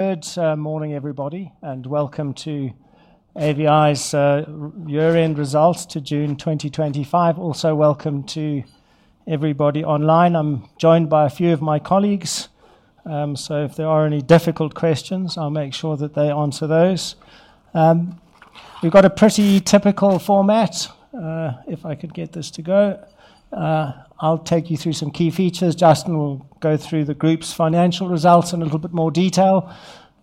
Good morning, everybody, and welcome to AVI's year-end results to June 2025. Also, welcome to everybody online. I'm joined by a few of my colleagues, so if there are any difficult questions, I'll make sure that they answer those. We've got a pretty typical format. If I could get this to go. I'll take you through some key features. Justin will go through the group's financial results in a little bit more detail,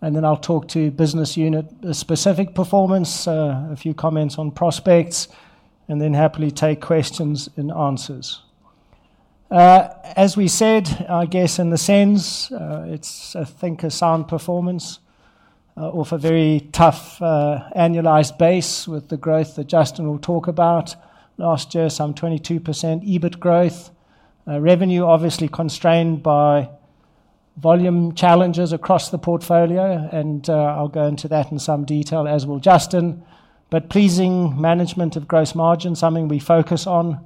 and then I'll talk to business unit-specific performance, a few comments on prospects, and then happily take questions and answers. As we said, I guess in the sense, it's, I think, a sound performance, off a very tough, annualized base with the growth that Justin will talk about. Last year, some 22% EBIT growth. Revenue obviously constrained by volume challenges across the portfolio, and I'll go into that in some detail as well, Justin. Pleasing management of gross margins, something we focus on.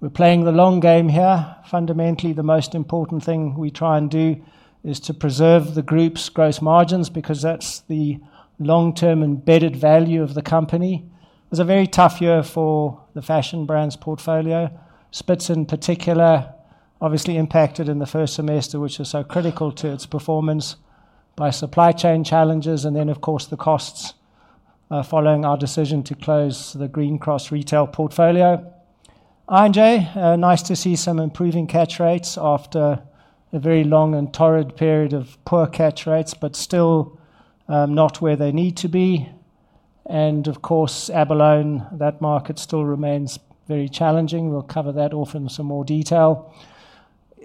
We're playing the long game here. Fundamentally, the most important thing we try and do is to preserve the group's gross margins because that's the long-term embedded value of the company. It was a very tough year for the fashion brand's portfolio. Spitz, in particular, obviously impacted in the first semester, which was so critical to its performance by supply chain challenges, and then, of course, the costs following our decision to close the Green Cross retail portfolio. I&J, nice to see some improving catch rates after a very long and torrid period of poor catch rates, but still not where they need to be. Abalone, that market still remains very challenging. We'll cover that off in some more detail.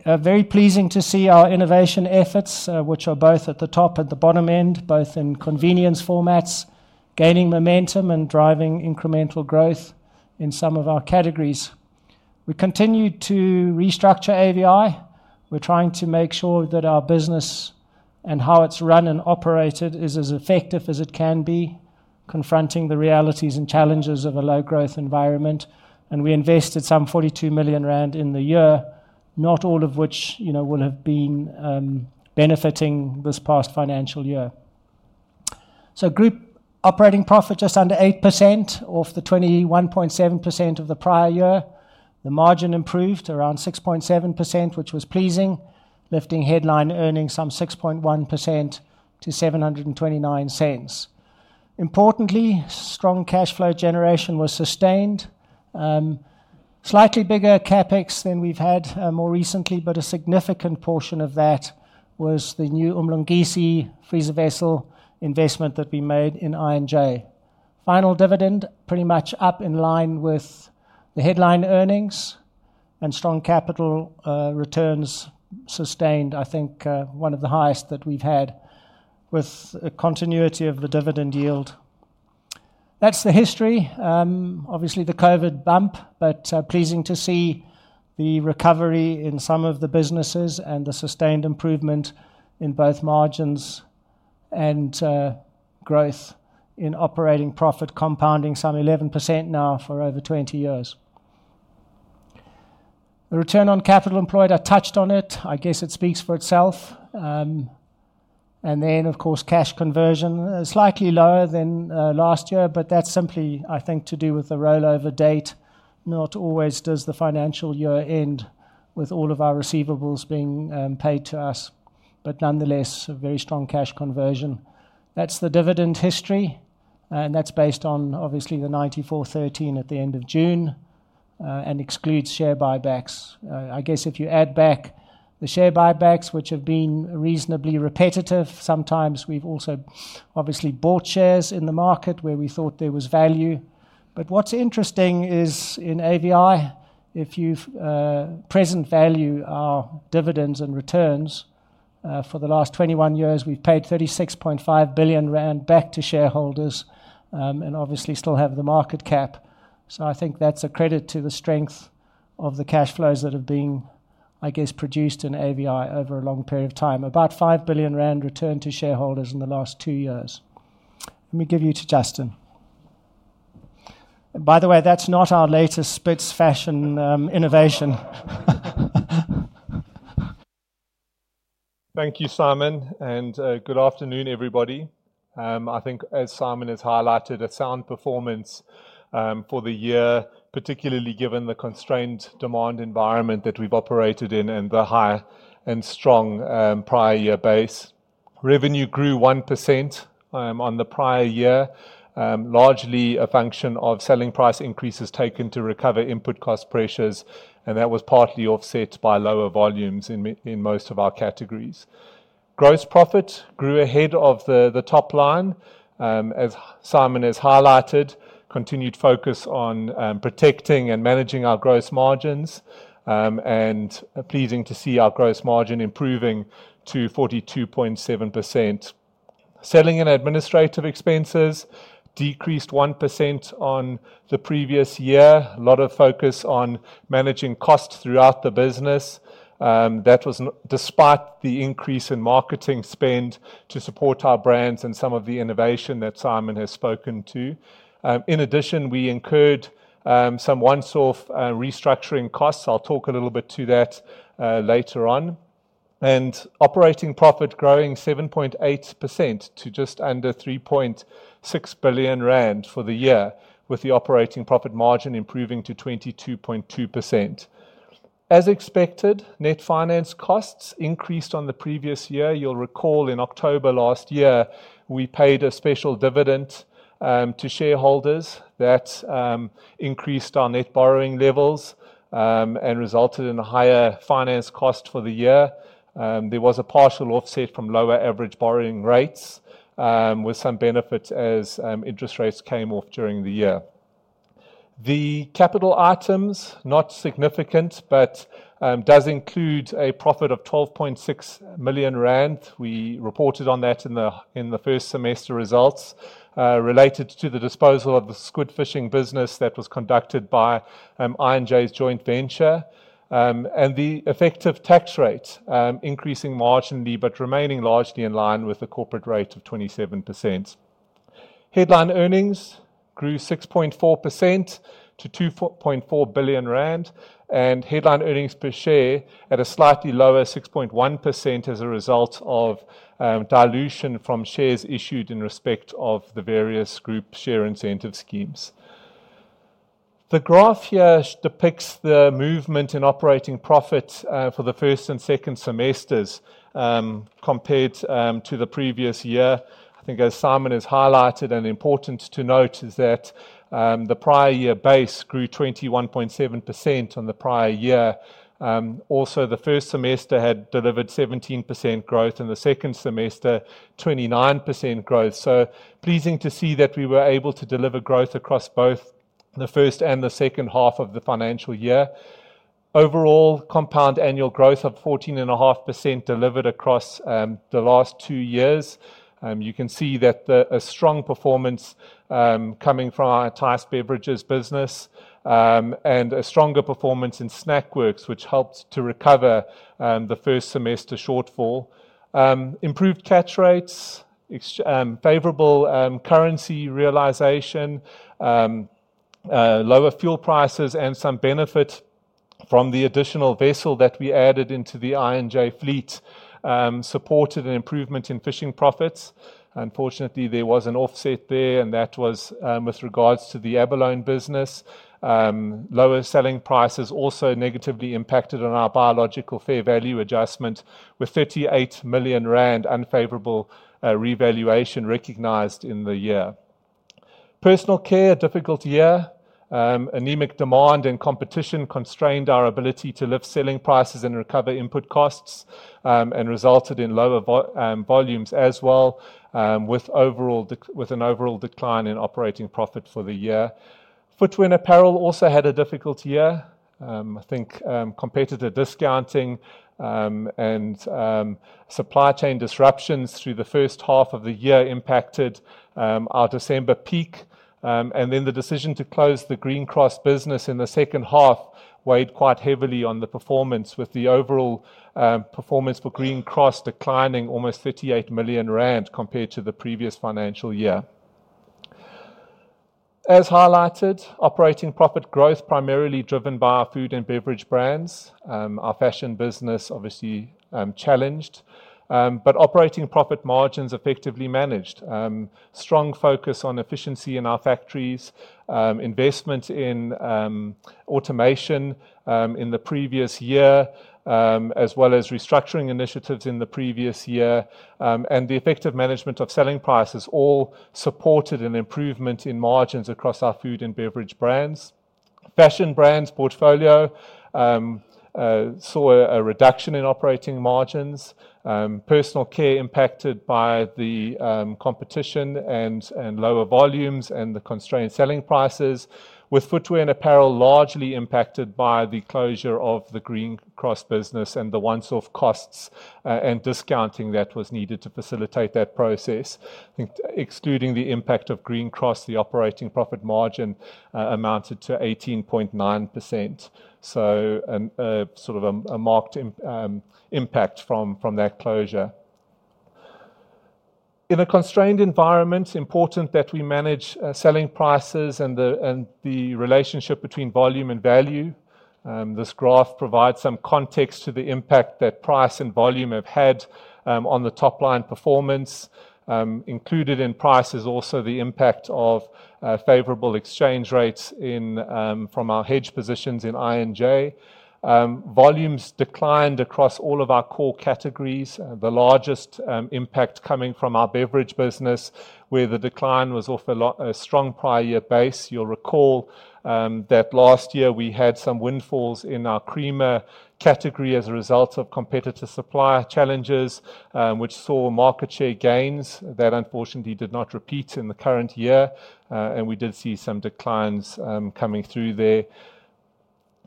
Very pleasing to see our innovation efforts, which are both at the top and the bottom end, both in convenience formats, gaining momentum and driving incremental growth in some of our categories. We continue to restructure AVI. We're trying to make sure that our business and how it's run and operated is as effective as it can be, confronting the realities and challenges of a low-growth environment. We invested some 42 million rand in the year, not all of which, you know, will have been benefiting this past financial year. Group operating profit just under 8% off the 21.7% of the prior year. The margin improved around 6.7%, which was pleasing, lifting headline earnings some 6.1% to 7.29. Importantly, strong cash flow generation was sustained. Slightly bigger CapEx than we've had more recently, but a significant portion of that was the new Umlungisi freezer vessel investment that we made in I&J. Final dividend pretty much up in line with the headline earnings and strong capital returns sustained, I think one of the highest that we've had with the continuity of the dividend yield. That's the history. Obviously, the COVID bump, but pleasing to see the recovery in some of the businesses and the sustained improvement in both margins and growth in operating profit compounding some 11% now for over 20 years. The return on capital employed, I touched on it. I guess it speaks for itself. Of course, cash conversion is slightly lower than last year, but that's simply, I think, to do with the rollover date. Not always does the financial year end with all of our receivables being paid to us, but nonetheless, a very strong cash conversion. That's the dividend history, and that's based on, obviously, the 9,413 at the end of June and excludes share buybacks. I guess if you add back the share buybacks, which have been reasonably repetitive, sometimes we've also obviously bought shares in the market where we thought there was value. What's interesting is in AVI, if you present value our dividends and returns, for the last 21 years, we've paid 36.5 billion rand back to shareholders and obviously still have the market cap. I think that's a credit to the strength of the cash flows that have been, I guess, produced in AVI over a long period of time. About 5 billion rand returned to shareholders in the last two years. Let me give you to Justin. By the way, that's not our latest Spitz fashion innovation. Thank you, Simon, and good afternoon, everybody. I think, as Simon has highlighted, a sound performance for the year, particularly given the constrained demand environment that we've operated in and the high and strong prior year base. Revenue grew 1% on the prior year, largely a function of selling price increases taken to recover input cost pressures, and that was partly offset by lower volumes in most of our categories. Gross profit grew ahead of the top line, as Simon has highlighted, continued focus on protecting and managing our gross margins, and pleasing to see our gross margin improving to 42.7%. Selling and administrative expenses decreased 1% on the previous year, a lot of focus on managing costs throughout the business. That was despite the increase in marketing spend to support our brands and some of the innovation that Simon has spoken to. In addition, we incurred some one-source restructuring costs. I'll talk a little bit to that later on. Operating profit grew 7.8% to just under 3.6 billion rand for the year, with the operating profit margin improving to 22.2%. As expected, net finance costs increased on the previous year. You'll recall in October last year, we paid a special dividend to shareholders that increased our net borrowing levels and resulted in a higher finance cost for the year. There was a partial offset from lower average borrowing rates with some benefits as interest rates came off during the year. The capital items, not significant, but does include a profit of 12.6 million rand. We reported on that in the first semester results related to the disposal of the squid fishing business that was conducted by I&J's joint venture and the effective tax rate increasing marginally but remaining largely in line with the corporate rate of 27%. Headline earnings grew 6.4% to 2.4 billion rand and headline earnings per share at a slightly lower 6.1% as a result of dilution from shares issued in respect of the various group share incentive schemes. The graph here depicts the movement in operating profit for the first and second semesters compared to the previous year. I think, as Simon has highlighted, and important to note is that the prior year base grew 21.7% on the prior year. Also, the first semester had delivered 17% growth and the second semester 29% growth. Pleasing to see that we were able to deliver growth across both the first and the second half of the financial year. Overall, compound annual growth of 14.5% delivered across the last two years. You can see that a strong performance coming from our Entyce Beverages business and a stronger performance in Snackworks, which helped to recover the first semester shortfall. Improved catch rates, favorable currency realization, lower fuel prices, and some benefit from the additional vessel that we added into the I&J fleet supported an improvement in fishing profits. Unfortunately, there was an offset there, and that was with regards to the Abalone business. Lower selling prices also negatively impacted on our biological fair value adjustment with 38 million rand unfavorable revaluation recognized in the year. Personal care, a difficult year. Anemic demand and competition constrained our ability to lift selling prices and recover input costs and resulted in lower volumes as well, with an overall decline in operating profit for the year. Footwear and apparel also had a difficult year. I think competitor discounting and supply chain disruptions through the first half of the year impacted our December peak, and then the decision to close the Green Cross business in the second half weighed quite heavily on the performance, with the overall performance for Green Cross declining almost 38 million rand compared to the previous financial year. As highlighted, operating profit growth primarily driven by our food and beverage brands. Our fashion business obviously challenged, but operating profit margins effectively managed. Strong focus on efficiency in our factories, investment in automation in the previous year, as well as restructuring initiatives in the previous year, and the effective management of selling prices all supported an improvement in margins across our food and beverage brands. Fashion brands' portfolio saw a reduction in operating margins. Personal care impacted by the competition and lower volumes and the constrained selling prices, with footwear and apparel largely impacted by the closure of the Green Cross business and the once-off costs and discounting that was needed to facilitate that process. I think excluding the impact of Green Cross, the operating profit margin amounted to 18.9%. A sort of a marked impact from that closure. In a constrained environment, it's important that we manage selling prices and the relationship between volume and value. This graph provides some context to the impact that price and volume have had on the top line performance. Included in price is also the impact of favorable exchange rates from our hedge positions in I&J. Volumes declined across all of our core categories, the largest impact coming from our beverage business, where the decline was off a strong prior year base. You'll recall that last year we had some windfalls in our creamer category as a result of competitor supply challenges, which saw market share gains that unfortunately did not repeat in the current year, and we did see some declines coming through there.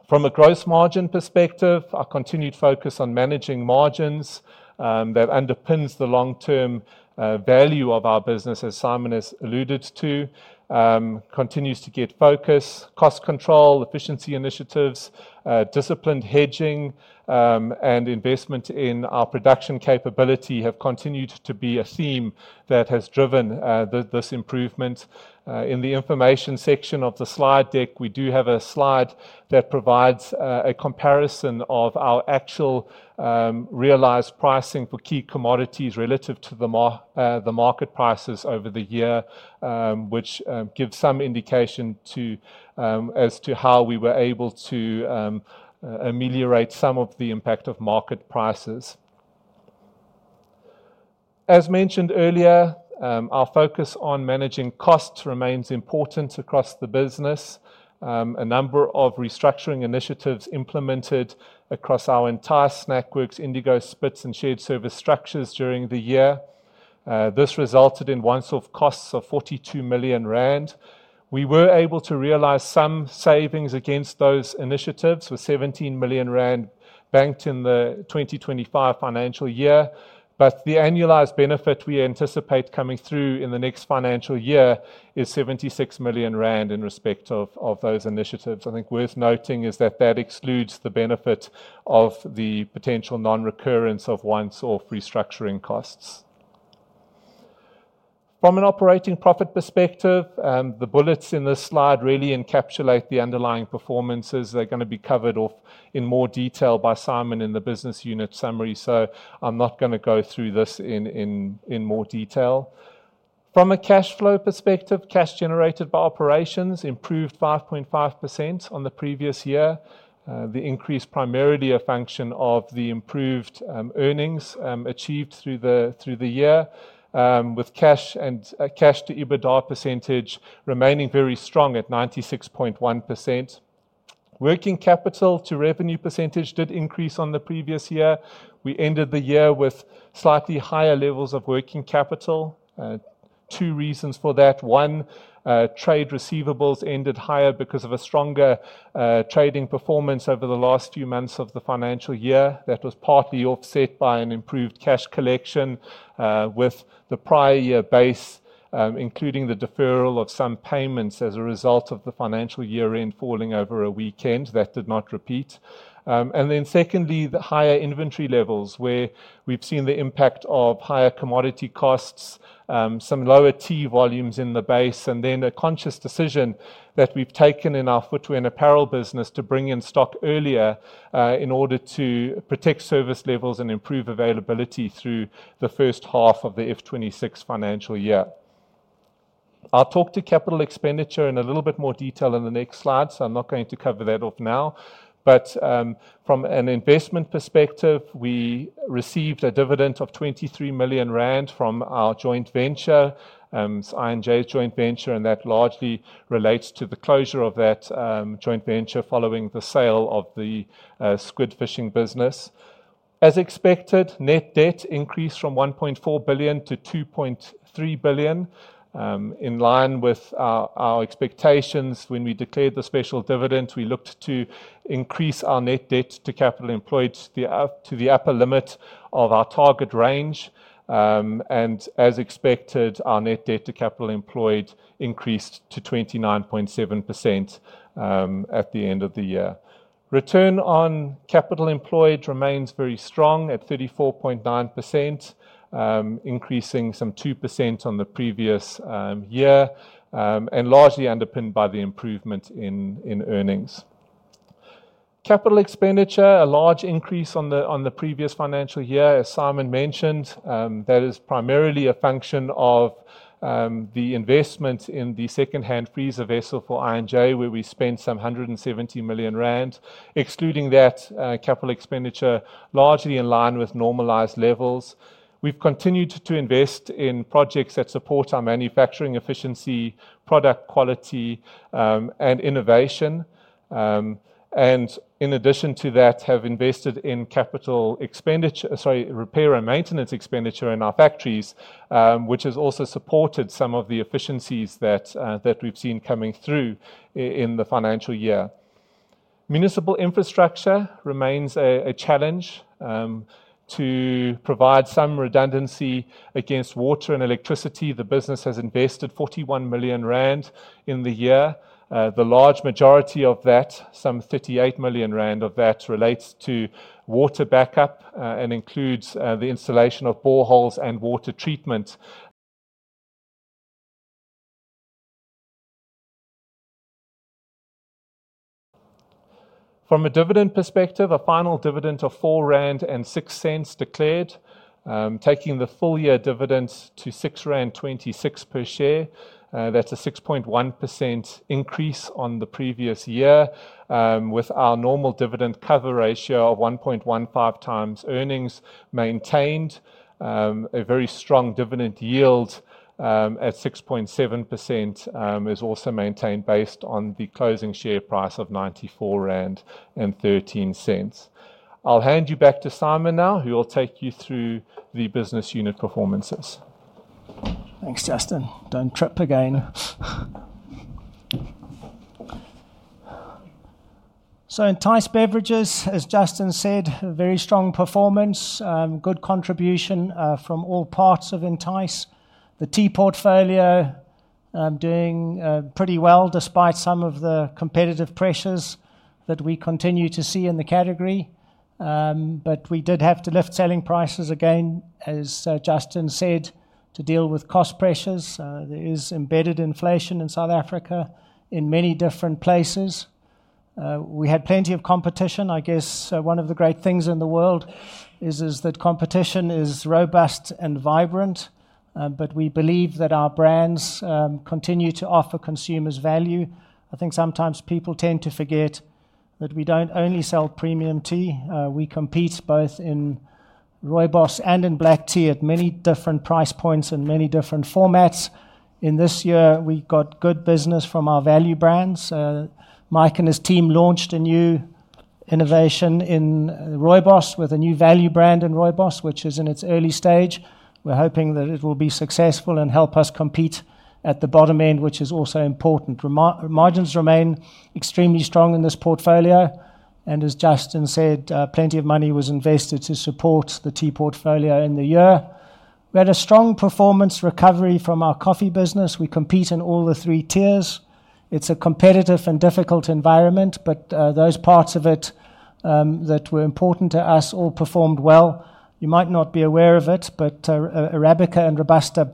From a gross margin perspective, our continued focus on managing margins that underpins the long-term value of our business, as Simon has alluded to, continues to get focused. Cost control, efficiency initiatives, disciplined hedging, and investment in our production capability have continued to be a theme that has driven this improvement. In the information section of the slide deck, we do have a slide that provides a comparison of our actual realized pricing for key commodities relative to the market prices over the year, which gives some indication as to how we were able to ameliorate some of the impact of market prices. As mentioned earlier, our focus on managing costs remains important across the business. A number of restructuring initiatives implemented across our entire Snackworks, Indigo, Spitz, and shared service structures during the year. This resulted in once-off costs of 42 million rand. We were able to realize some savings against those initiatives with 17 million rand banked in the 2025 financial year, but the annualized benefit we anticipate coming through in the next financial year is 76 million rand in respect of those initiatives. I think worth noting is that that excludes the benefit of the potential non-recurrence of once-off restructuring costs. From an operating profit perspective, the bullets in this slide really encapsulate the underlying performances. They're going to be covered in more detail by Simon in the business unit summary, so I'm not going to go through this in more detail. From a cash flow perspective, cash generated by operations improved 5.5% on the previous year. The increase is primarily a function of the improved earnings achieved through the year, with cash and cash to EBITDA percentage remaining very strong at 96.1%. Working capital to revenue percentage did increase on the previous year. We ended the year with slightly higher levels of working capital. Two reasons for that. One, trade receivables ended higher because of a stronger trading performance over the last few months of the financial year. That was partly offset by an improved cash collection with the prior year base, including the deferral of some payments as a result of the financial year end falling over a weekend that did not repeat. Secondly, the higher inventory levels where we've seen the impact of higher commodity costs, some lower tea volumes in the base, and then a conscious decision that we've taken in our footwear and apparel business to bring in stock earlier in order to protect service levels and improve availability through the first half of the 2026 financial year. I'll talk to capital expenditure in a little bit more detail in the next slide, so I'm not going to cover that now. From an investment perspective, we received a dividend of 23 million rand from our joint venture, I&J's joint venture, and that largely relates to the closure of that joint venture following the sale of the squid fishing business. As expected, net debt increased from 1.4 billion to 2.3 billion, in line with our expectations. When we declared the special dividend, we looked to increase our net debt to capital employed to the upper limit of our target range. As expected, our net debt to capital employed increased to 29.7% at the end of the year. Return on capital employed remains very strong at 34.9%, increasing some 2% on the previous year, and largely underpinned by the improvement in earnings. Capital expenditure, a large increase on the previous financial year, as Simon mentioned, that is primarily a function of the investment in the second-hand freezer vessel for I&J, where we spent some 170 million rand. Excluding that, capital expenditure is largely in line with normalized levels. We've continued to invest in projects that support our manufacturing efficiency, product quality, and innovation. In addition to that, have invested in capital expenditure, sorry, repair and maintenance expenditure in our factories, which has also supported some of the efficiencies that we've seen coming through in the financial year. Municipal infrastructure remains a challenge to provide some redundancy against water and electricity. The business has invested 41 million rand in the year. The large majority of that, some 38 million rand of that, relates to water backup and includes the installation of boreholes and water treatment. From a dividend perspective, a final dividend of 4.06 rand declared, taking the full-year dividends to 6.26 rand per share. That's a 6.1% increase on the previous year, with our normal dividend cover ratio of 1.15x earnings maintained. A very strong dividend yield at 6.7% is also maintained based on the closing share price of 94.13 rand. I'll hand you back to Simon now, who will take you through the business unit performances. Thanks, Justin. Don't trip again. Entyce Beverages, as Justin said, a very strong performance, good contribution from all parts of Entyce. The tea portfolio is doing pretty well despite some of the competitive pressures that we continue to see in the category. We did have to lift selling prices again, as Justin said, to deal with cost pressures. There is embedded inflation in South Africa in many different places. We had plenty of competition. I guess one of the great things in the world is that competition is robust and vibrant, but we believe that our brands continue to offer consumers value. I think sometimes people tend to forget that we don't only sell premium tea. We compete both in Rooibos and in black tea at many different price points and many different formats. In this year, we got good business from our value brands. Mike and his team launched a new innovation in Rooibos with a new value brand in Rooibos, which is in its early stage. We're hoping that it will be successful and help us compete at the bottom end, which is also important. Margins remain extremely strong in this portfolio, and as Justin said, plenty of money was invested to support the tea portfolio in the year. We had a strong performance recovery from our coffee business. We compete in all the three tiers. It's a competitive and difficult environment, but those parts of it that were important to us all performed well. You might not be aware of it, but Arabica and Robusta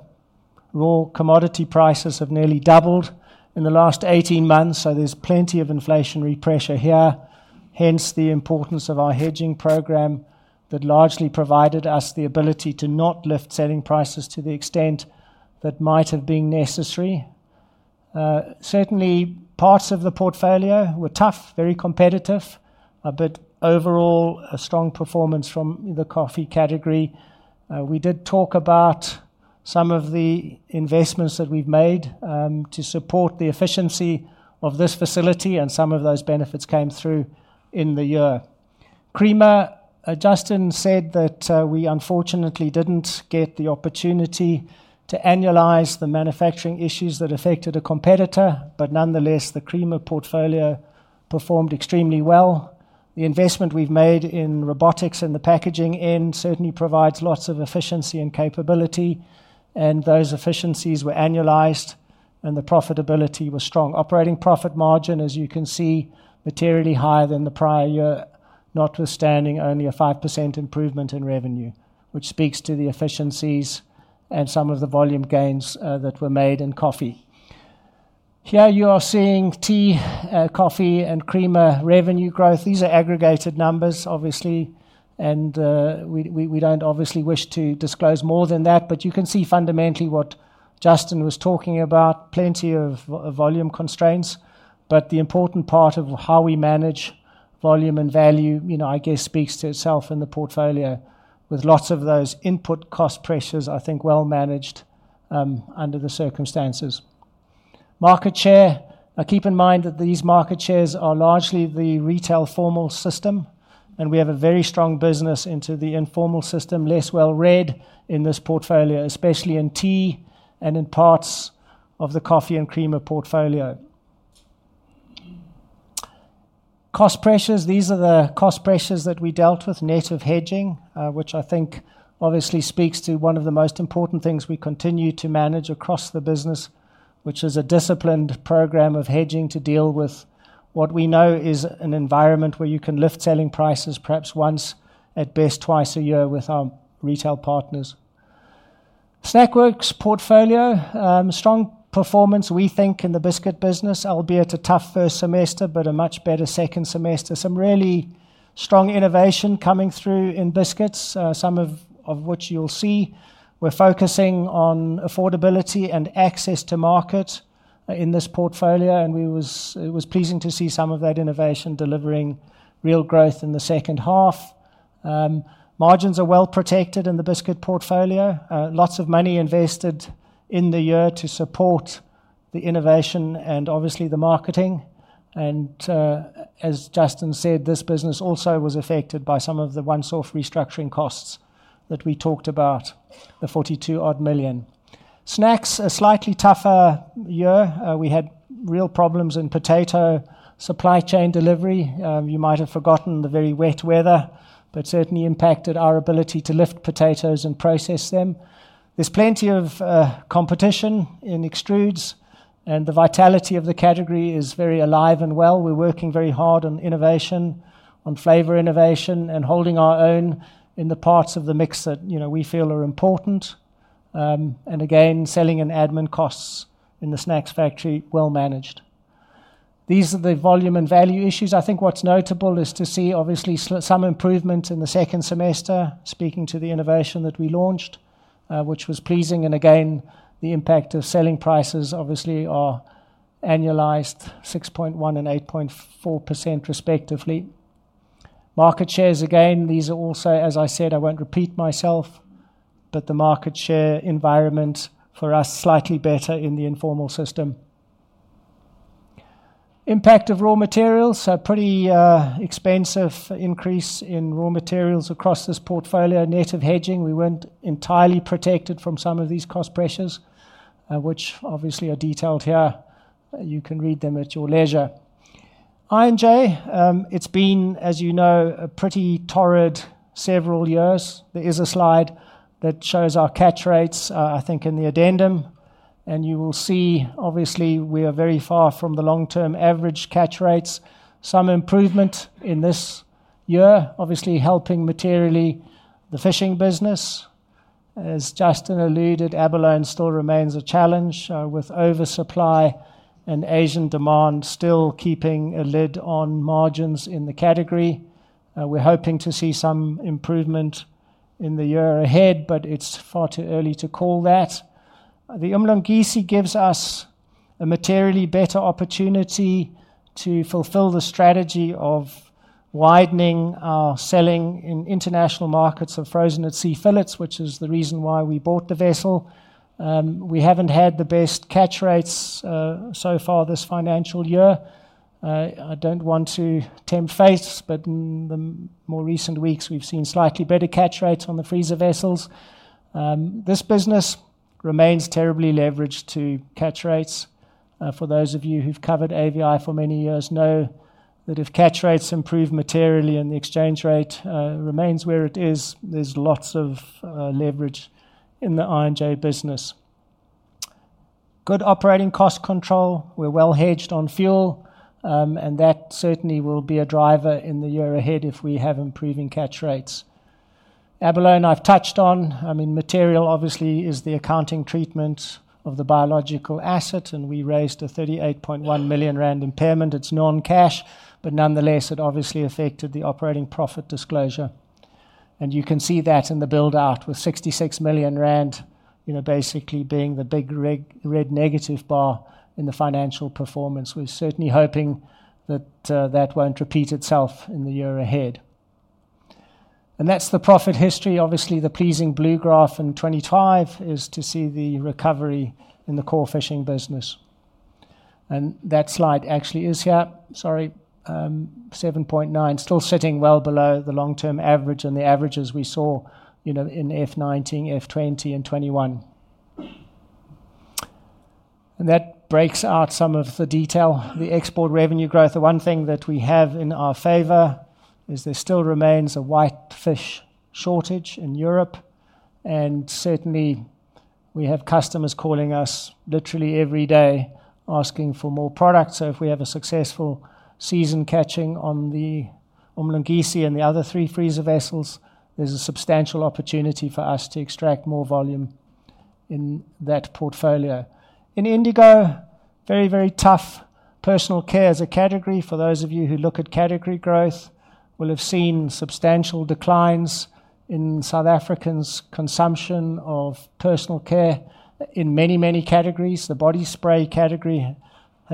raw commodity prices have nearly doubled in the last 18 months, so there's plenty of inflationary pressure here. Hence the importance of our hedging program that largely provided us the ability to not lift selling prices to the extent that might have been necessary. Certainly, parts of the portfolio were tough, very competitive, but overall a strong performance from the coffee category. We did talk about some of the investments that we've made to support the efficiency of this facility, and some of those benefits came through in the year. Creamer, Justin said that we unfortunately didn't get the opportunity to annualize the manufacturing issues that affected a competitor, but nonetheless, the creamer portfolio performed extremely well. The investment we've made in robotics and the packaging end certainly provides lots of efficiency and capability, and those efficiencies were annualized, and the profitability was strong. Operating profit margin, as you can see, materially higher than the prior year, notwithstanding only a 5% improvement in revenue, which speaks to the efficiencies and some of the volume gains that were made in coffee. Here you are seeing tea, coffee, and creamer revenue growth. These are aggregated numbers, obviously, and we do not obviously wish to disclose more than that, but you can see fundamentally what Justin was talking about. Plenty of volume constraints, but the important part of how we manage volume and value, I guess, speaks to itself in the portfolio with lots of those input cost pressures, I think, well managed under the circumstances. Market share, keep in mind that these market shares are largely the retail formal system, and we have a very strong business into the informal system, less well read in this portfolio, especially in tea and in parts of the coffee and creamer portfolio. Cost pressures, these are the cost pressures that we dealt with, net of hedging, which I think obviously speaks to one of the most important things we continue to manage across the business, which is a disciplined program of hedging to deal with what we know is an environment where you can lift selling prices perhaps once, at best twice a year with our retail partners. Snackworks portfolio, strong performance, we think, in the biscuit business, albeit a tough first semester, but a much better second semester. Some really strong innovation coming through in biscuits, some of which you'll see. We're focusing on affordability and access to market in this portfolio, and it was pleasing to see some of that innovation delivering real growth in the second half. Margins are well protected in the biscuit portfolio, lots of money invested in the year to support the innovation and obviously the marketing. As Justin said, this business also was affected by some of the one-source restructuring costs that we talked about, the 42 million-odd. Snacks, a slightly tougher year. We had real problems in potato supply chain delivery. You might have forgotten the very wet weather, but it certainly impacted our ability to lift potatoes and process them. There is plenty of competition in extrudes, and the vitality of the category is very alive and well. We're working very hard on innovation, on flavor innovation, and holding our own in the parts of the mix that we feel are important. Selling and admin costs in the snacks factory are well managed. These are the volume and value issues. I think what's notable is to see obviously some improvement in the second semester, speaking to the innovation that we launched, which was pleasing. Again, the impact of selling prices obviously are annualized 6.1% and 8.4% respectively. Market shares, again, these are also, as I said, I won't repeat myself, but the market share environment for us is slightly better in the informal system. Impact of raw materials, a pretty expensive increase in raw materials across this portfolio. Native hedging, we weren't entirely protected from some of these cost pressures, which obviously are detailed here. You can read them at your leisure. I&J, it's been, as you know, a pretty torrid several years. There is a slide that shows our catch rates, I think, in the addendum. You will see, obviously, we are very far from the long-term average catch rates. Some improvement in this year, obviously helping materially the fishing business. As Justin alluded, Abalone still remains a challenge with oversupply and Asian demand still keeping a lid on margins in the category. We're hoping to see some improvement in the year ahead, but it's far too early to call that. The Umlungisi gives us a materially better opportunity to fulfill the strategy of widening our selling in international markets of frozen at sea fillets, which is the reason why we bought the vessel. We haven't had the best catch rates so far this financial year. I don't want to tempt fate, but in the more recent weeks, we've seen slightly better catch rates on the freezer vessels. This business remains terribly leveraged to catch rates. For those of you who've covered AVI for many years, know that if catch rates improve materially and the exchange rate remains where it is, there's lots of leverage in the I&J business. Good operating cost control. We're well hedged on fuel, and that certainly will be a driver in the year ahead if we have improving catch rates. Abalone I've touched on. Material obviously is the accounting treatment of the biological asset, and we raised a 38.1 million rand impairment. It's non-cash, but nonetheless, it obviously affected the operating profit disclosure. You can see that in the build-out with 66 million rand, you know, basically being the big red negative bar in the financial performance. We're certainly hoping that that won't repeat itself in the year ahead. That's the profit history. Obviously, the pleasing blue graph in 2025 is to see the recovery in the core fishing business. That slide actually is here. Sorry, 7.9, still sitting well below the long-term average and the averages we saw in 2019, 2020, and 2021. That breaks out some of the detail. The export revenue growth, the one thing that we have in our favor is there still remains a whitefish shortage in Europe. Certainly, we have customers calling us literally every day asking for more products. If we have a successful season catching on the Umlungisi and the other three freezer vessels, there's a substantial opportunity for us to extract more volume in that portfolio. In Indigo, very, very tough personal care as a category. For those of you who look at category growth, you will have seen substantial declines in South Africa's consumption of personal care in many, many categories. The body spray category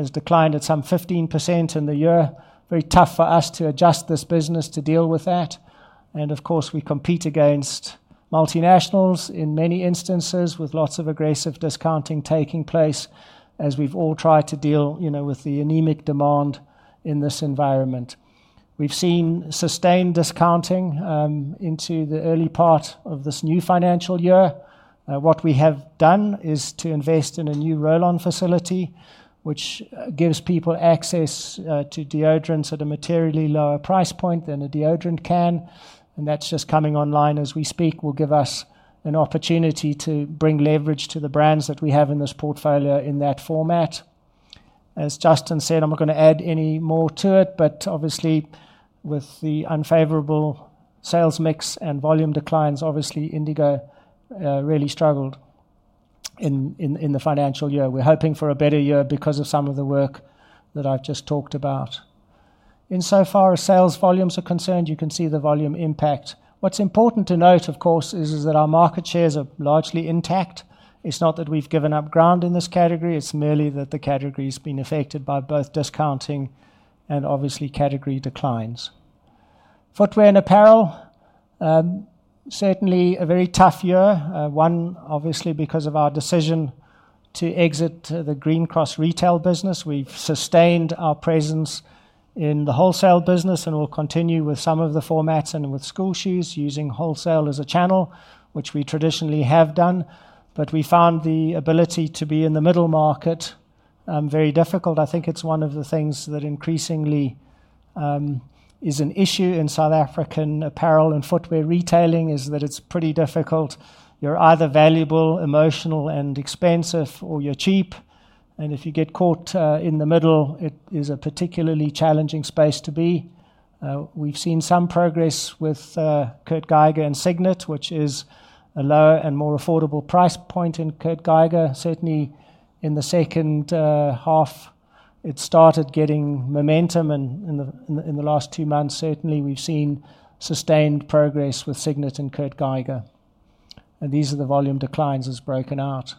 has declined at some 15% in the year. Very tough for us to adjust this business to deal with that. Of course, we compete against multinationals in many instances with lots of aggressive discounting taking place as we've all tried to deal with the anemic demand in this environment. We've seen sustained discounting into the early part of this new financial year. What we have done is to invest in a new roll-on facility, which gives people access to deodorants at a materially lower price point than a deodorant can. That's just coming online as we speak and will give us an opportunity to bring leverage to the brands that we have in this portfolio in that format. As Justin said, I'm not going to add any more to it, but obviously with the unfavorable sales mix and volume declines, Indigo really struggled in the financial year. We're hoping for a better year because of some of the work that I've just talked about. Insofar as sales volumes are concerned, you can see the volume impact. What's important to note, of course, is that our market shares are largely intact. It's not that we've given up ground in this category. It's merely that the category has been affected by both discounting and category declines. Footwear and apparel, certainly a very tough year, one obviously because of our decision to exit the Green Cross retail business. We've sustained our presence in the wholesale business and will continue with some of the formats and with school shoes using wholesale as a channel, which we traditionally have done. We found the ability to be in the middle market very difficult. I think it's one of the things that increasingly is an issue in South African apparel and footwear retailing; it's pretty difficult. You're either valuable, emotional, and expensive, or you're cheap. If you get caught in the middle, it is a particularly challenging space to be. We've seen some progress with Kurt Geiger and Signet, which is a lower and more affordable price point in Kurt Geiger. Certainly, in the second half, it started getting momentum, and in the last two months, we've seen sustained progress with Signet and Kurt Geiger. These are the volume declines as broken out.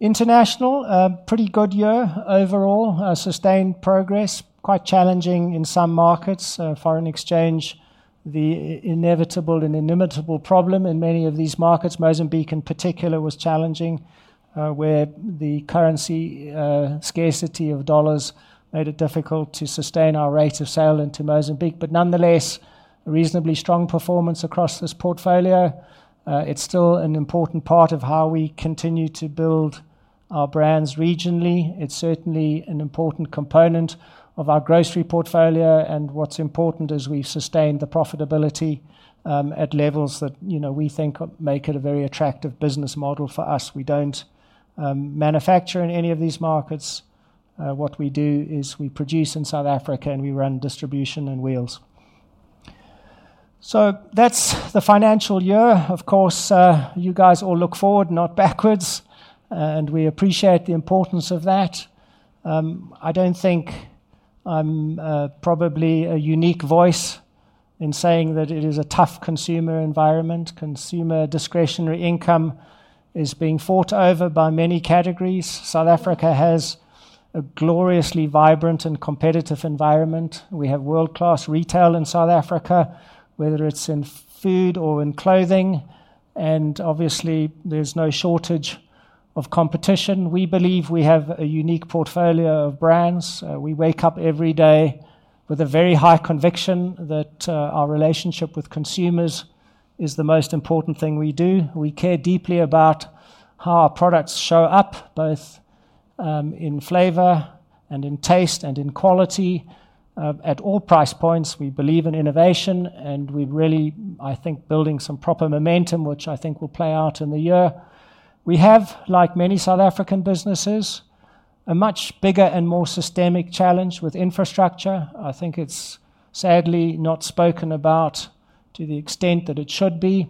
International, a pretty good year overall, sustained progress, quite challenging in some markets. Foreign exchange, the inevitable and inimitable problem in many of these markets—Mozambique in particular was challenging, where the currency scarcity of dollars made it difficult to sustain our rate of sale into Mozambique. Nonetheless, a reasonably strong performance across this portfolio. It's still an important part of how we continue to build our brands regionally. It's certainly an important component of our grocery portfolio, and what's important is we've sustained the profitability at levels that we think make it a very attractive business model for us. We don't manufacture in any of these markets. What we do is we produce in South Africa, and we run distribution and wheels. That's the financial year. Of course, you guys all look forward, not backwards, and we appreciate the importance of that. I don't think I'm probably a unique voice in saying that it is a tough consumer environment. Consumer discretionary income is being fought over by many categories. South Africa has a gloriously vibrant and competitive environment. We have world-class retail in South Africa, whether it's in food or in clothing. Obviously, there's no shortage of competition. We believe we have a unique portfolio of brands. We wake up every day with a very high conviction that our relationship with consumers is the most important thing we do. We care deeply about how our products show up, both in flavor and in taste and in quality at all price points. We believe in innovation, and we're really, I think, building some proper momentum, which I think will play out in the year. We have, like many South African businesses, a much bigger and more systemic challenge with infrastructure. I think it's sadly not spoken about to the extent that it should be.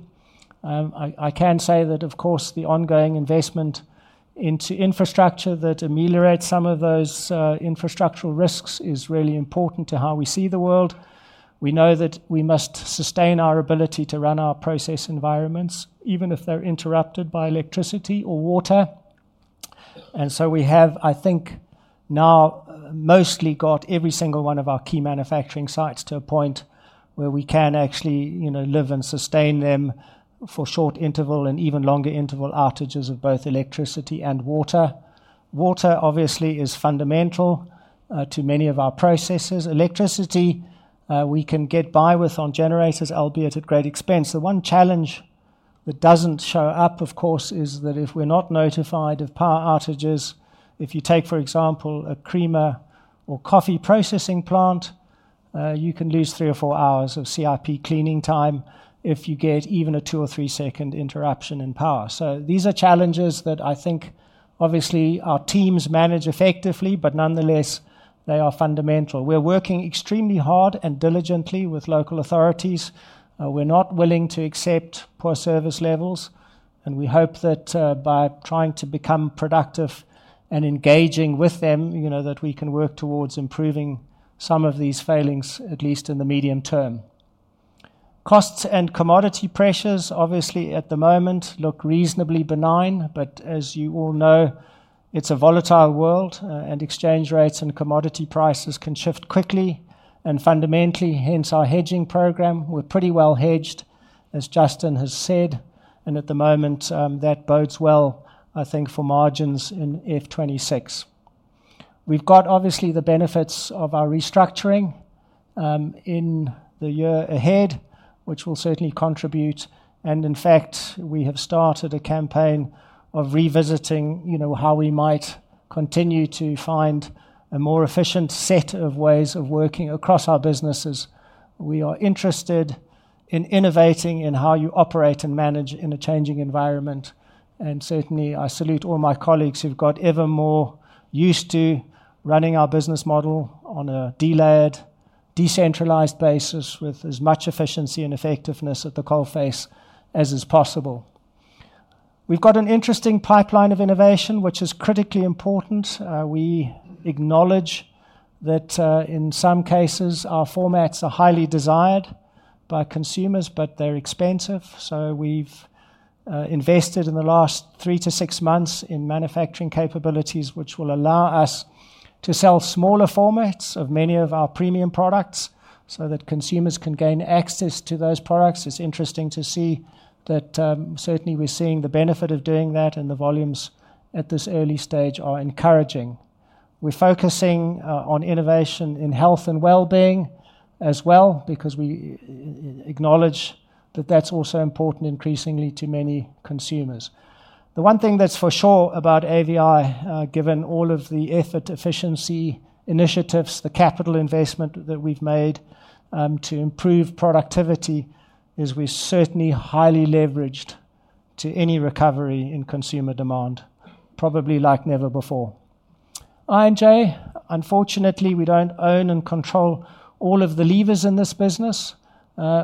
I can say that, of course, the ongoing investment into infrastructure that ameliorates some of those infrastructural risks is really important to how we see the world. We know that we must sustain our ability to run our process environments, even if they're interrupted by electricity or water. We have, I think, now mostly got every single one of our key manufacturing sites to a point where we can actually, you know, live and sustain them for short interval and even longer interval outages of both electricity and water. Water obviously is fundamental to many of our processes. Electricity, we can get by with on generators, albeit at great expense. The one challenge that doesn't show up, of course, is that if we're not notified of power outages, if you take, for example, a creamer or coffee processing plant, you can lose three or four hours of CIP cleaning time if you get even a two or three second interruption in power. These are challenges that I think obviously our teams manage effectively, but nonetheless, they are fundamental. We're working extremely hard and diligently with local authorities. We're not willing to accept poor service levels, and we hope that by trying to become productive and engaging with them, you know, that we can work towards improving some of these failings, at least in the medium term. Costs and commodity pressures obviously at the moment look reasonably benign, but as you all know, it's a volatile world and exchange rates and commodity prices can shift quickly and fundamentally. Hence our hedging program. We're pretty well hedged, as Justin has said, and at the moment that bodes well, I think, for margins in FY 2026. We've got obviously the benefits of our restructuring in the year ahead, which will certainly contribute. In fact, we have started a campaign of revisiting, you know, how we might continue to find a more efficient set of ways of working across our businesses. We are interested in innovating in how you operate and manage in a changing environment. I salute all my colleagues who've got ever more used to running our business model on a delayed, decentralized basis with as much efficiency and effectiveness at the coal face as is possible. We've got an interesting pipeline of innovation, which is critically important. We acknowledge that in some cases, our formats are highly desired by consumers, but they're expensive. We've invested in the last three to six months in manufacturing capabilities, which will allow us to sell smaller formats of many of our premium products so that consumers can gain access to those products. It's interesting to see that certainly we're seeing the benefit of doing that, and the volumes at this early stage are encouraging. We're focusing on innovation in health and wellbeing as well because we acknowledge that that's also important increasingly to many consumers. The one thing that's for sure about AVI, given all of the effort, efficiency initiatives, the capital investment that we've made to improve productivity, is we're certainly highly leveraged to any recovery in consumer demand, probably like never before. I&J, unfortunately, we don't own and control all of the levers in this business.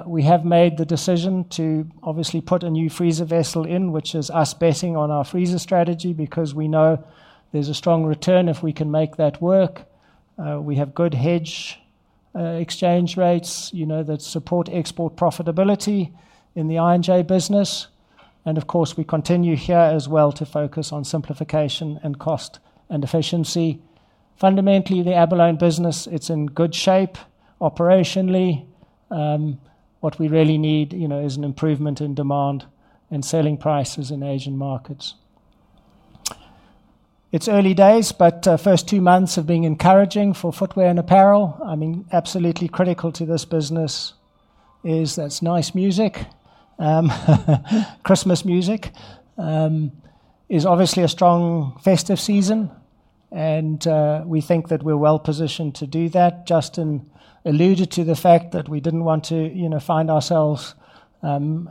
We have made the decision to obviously put a new freezer vessel in, which is us betting on our freezer strategy because we know there's a strong return if we can make that work. We have good hedge exchange rates that support export profitability in the I&J business. Of course, we continue here as well to focus on simplification and cost and efficiency. Fundamentally, the Abalone business is in good shape operationally. What we really need is an improvement in demand and selling prices in Asian markets. It's early days, but the first two months have been encouraging for footwear and apparel. Absolutely critical to this business is that it's nice music. Christmas music is obviously a strong festive season, and we think that we're well positioned to do that. Justin alluded to the fact that we didn't want to find ourselves down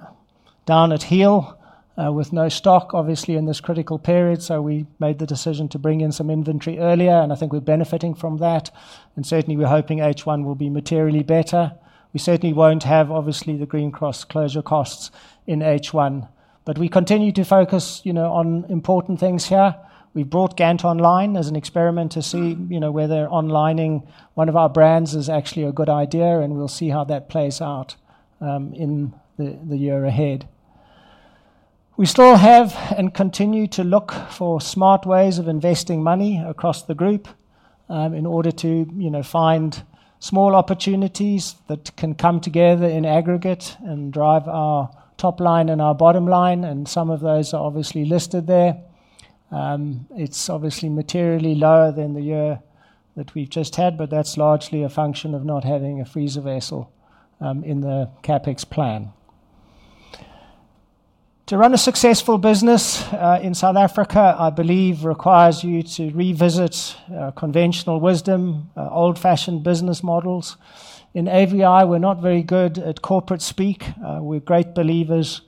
at heel with no stock, obviously, in this critical period. We made the decision to bring in some inventory earlier, and I think we're benefiting from that. Certainly, we're hoping H1 will be materially better. We certainly won't have, obviously, the Green Cross closure costs in H1, but we continue to focus on important things here. We brought Gantt online as an experiment to see whether onlining one of our brands is actually a good idea, and we'll see how that plays out in the year ahead. We still have and continue to look for smart ways of investing money across the group in order to find small opportunities that can come together in aggregate and drive our top line and our bottom line. Some of those are obviously listed there. It's obviously materially lower than the year that we've just had, but that's largely a function of not having a freezer vessel in the CapEx plan. To run a successful business in South Africa, I believe, requires you to revisit conventional wisdom, old-fashioned business models. In AVI, we're not very good at corporate speak. We're great believers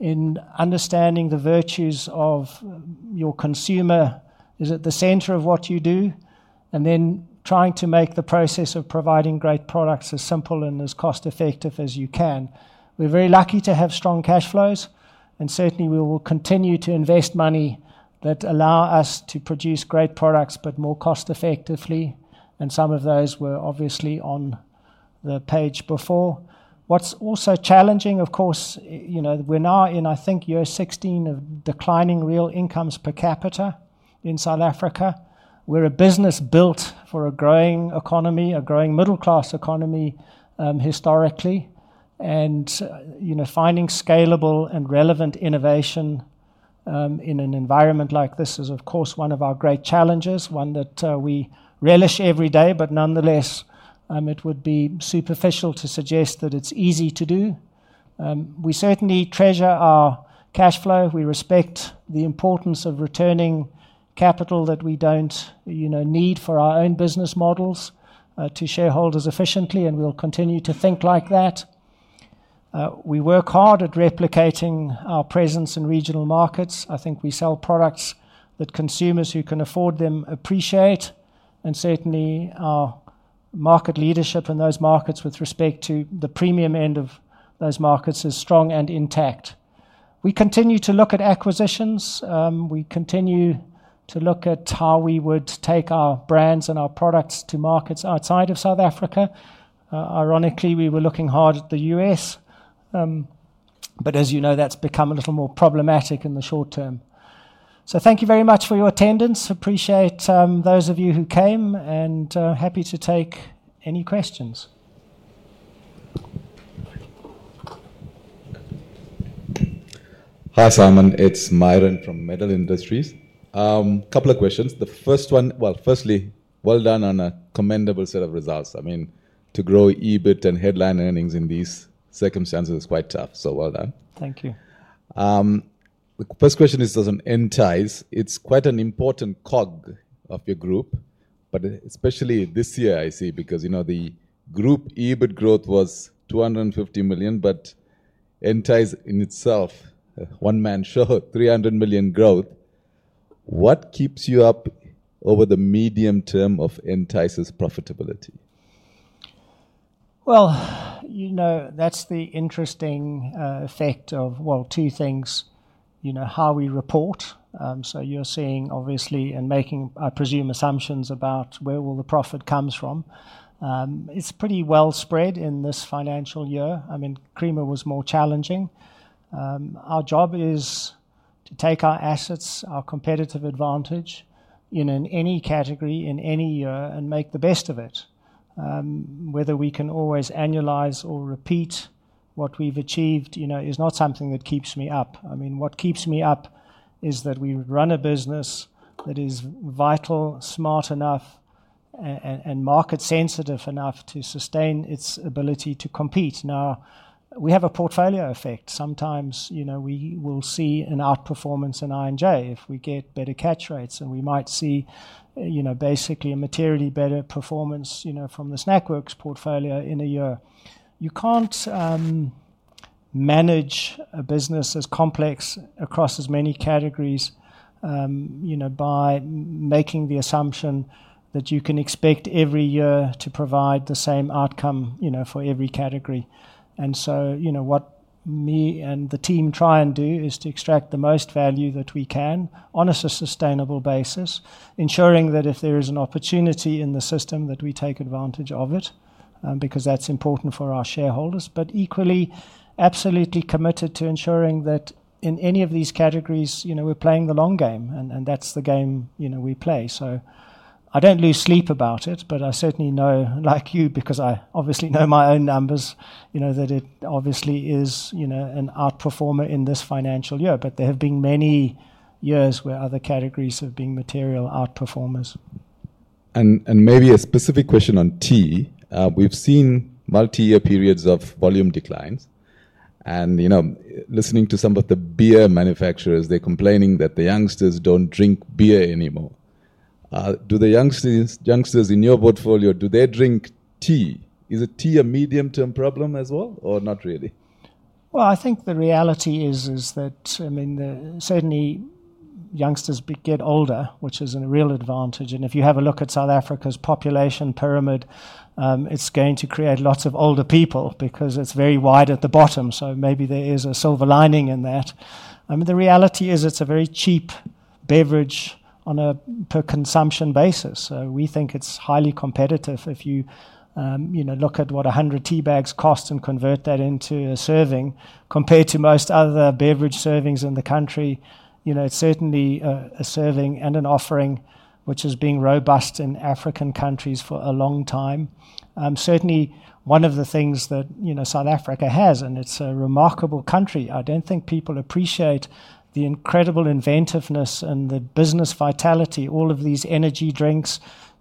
in understanding the virtues of your consumer is at the center of what you do, and then trying to make the process of providing great products as simple and as cost-effective as you can. We're very lucky to have strong cash flows, and certainly, we will continue to invest money that allows us to produce great products, but more cost-effectively. Some of those were obviously on the page before. What's also challenging, of course, is we're now in, I think, year 16 of declining real incomes per capita in South Africa. We're a business built for a growing economy, a growing middle-class economy historically, and finding scalable and relevant innovation in an environment like this is, of course, one of our great challenges, one that we relish every day. It would be superficial to suggest that it's easy to do. We certainly treasure our cash flow. We respect the importance of returning capital that we don't need for our own business models to shareholders efficiently, and we'll continue to think like that. We work hard at replicating our presence in regional markets. I think we sell products that consumers who can afford them appreciate, and certainly, our market leadership in those markets with respect to the premium end of those markets is strong and intact. We continue to look at acquisitions. We continue to look at how we would take our brands and our products to markets outside of South Africa. Ironically, we were looking hard at the U.S., but as you know, that's become a little more problematic in the short term. Thank you very much for your attendance. Appreciate those of you who came, and happy to take any questions. Hi Simon, it's Mayran from Metal Industries. A couple of questions. Firstly, well done on a commendable set of results. I mean, to grow EBIT and headline earnings in these circumstances is quite tough. So well done. Thank you. The first question is, as Entyce, it's quite an important cog of your group, but especially this year I see, because you know the group EBIT growth was 250 million, but Entyce in itself, one man showed 300 million growth. What keeps you up over the medium term of Entyce's profitability? That's the interesting effect of two things. You know, how we report. You're seeing obviously and making, I presume, assumptions about where will the profit come from. It's pretty well spread in this financial year. I mean, creamer was more challenging. Our job is to take our assets, our competitive advantage, in any category, in any year, and make the best of it. Whether we can always annualize or repeat what we've achieved is not something that keeps me up. What keeps me up is that we would run a business that is vital, smart enough, and market sensitive enough to sustain its ability to compete. We have a portfolio effect. Sometimes we will see an outperformance in I&J if we get better catch rates, and we might see basically a materially better performance from the Snackworks portfolio in a year. You can't manage a business as complex across as many categories by making the assumption that you can expect every year to provide the same outcome for every category. What me and the team try and do is to extract the most value that we can on a sustainable basis, ensuring that if there is an opportunity in the system, that we take advantage of it because that's important for our shareholders. Equally, absolutely committed to ensuring that in any of these categories, we're playing the long game, and that's the game we play. I don't lose sleep about it, but I certainly know, like you, because I obviously know my own numbers, that it obviously is an outperformer in this financial year. There have been many years where other categories have been material outperformers. Maybe a specific question on tea. We've seen multi-year periods of volume declines, and you know, listening to some of the beer manufacturers, they're complaining that the youngsters don't drink beer anymore. Do the youngsters in your portfolio, do they drink tea? Is tea a medium-term problem as well, or not really? I think the reality is that, certainly, youngsters get older, which is a real advantage. If you have a look at South Africa's population pyramid, it's going to create lots of older people because it's very wide at the bottom. Maybe there is a silver lining in that. The reality is it's a very cheap beverage on a per-consumption basis. We think it's highly competitive if you look at what 100 tea bags cost and convert that into a serving compared to most other beverage servings in the country. It's certainly a serving and an offering which has been robust in African countries for a long time. One of the things that South Africa has, and it's a remarkable country, I don't think people appreciate the incredible inventiveness and the business vitality, all of these energy drinks.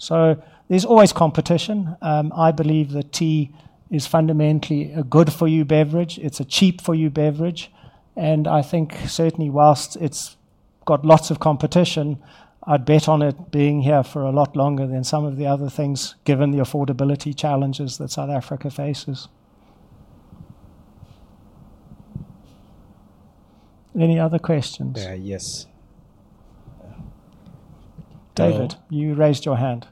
There's always competition. I believe that tea is fundamentally a good-for-you beverage. It's a cheap-for-you beverage. I think certainly whilst it's got lots of competition, I'd bet on it being here for a lot longer than some of the other things, given the affordability challenges that South Africa faces. Any other questions? Yes. David, you raised your hand.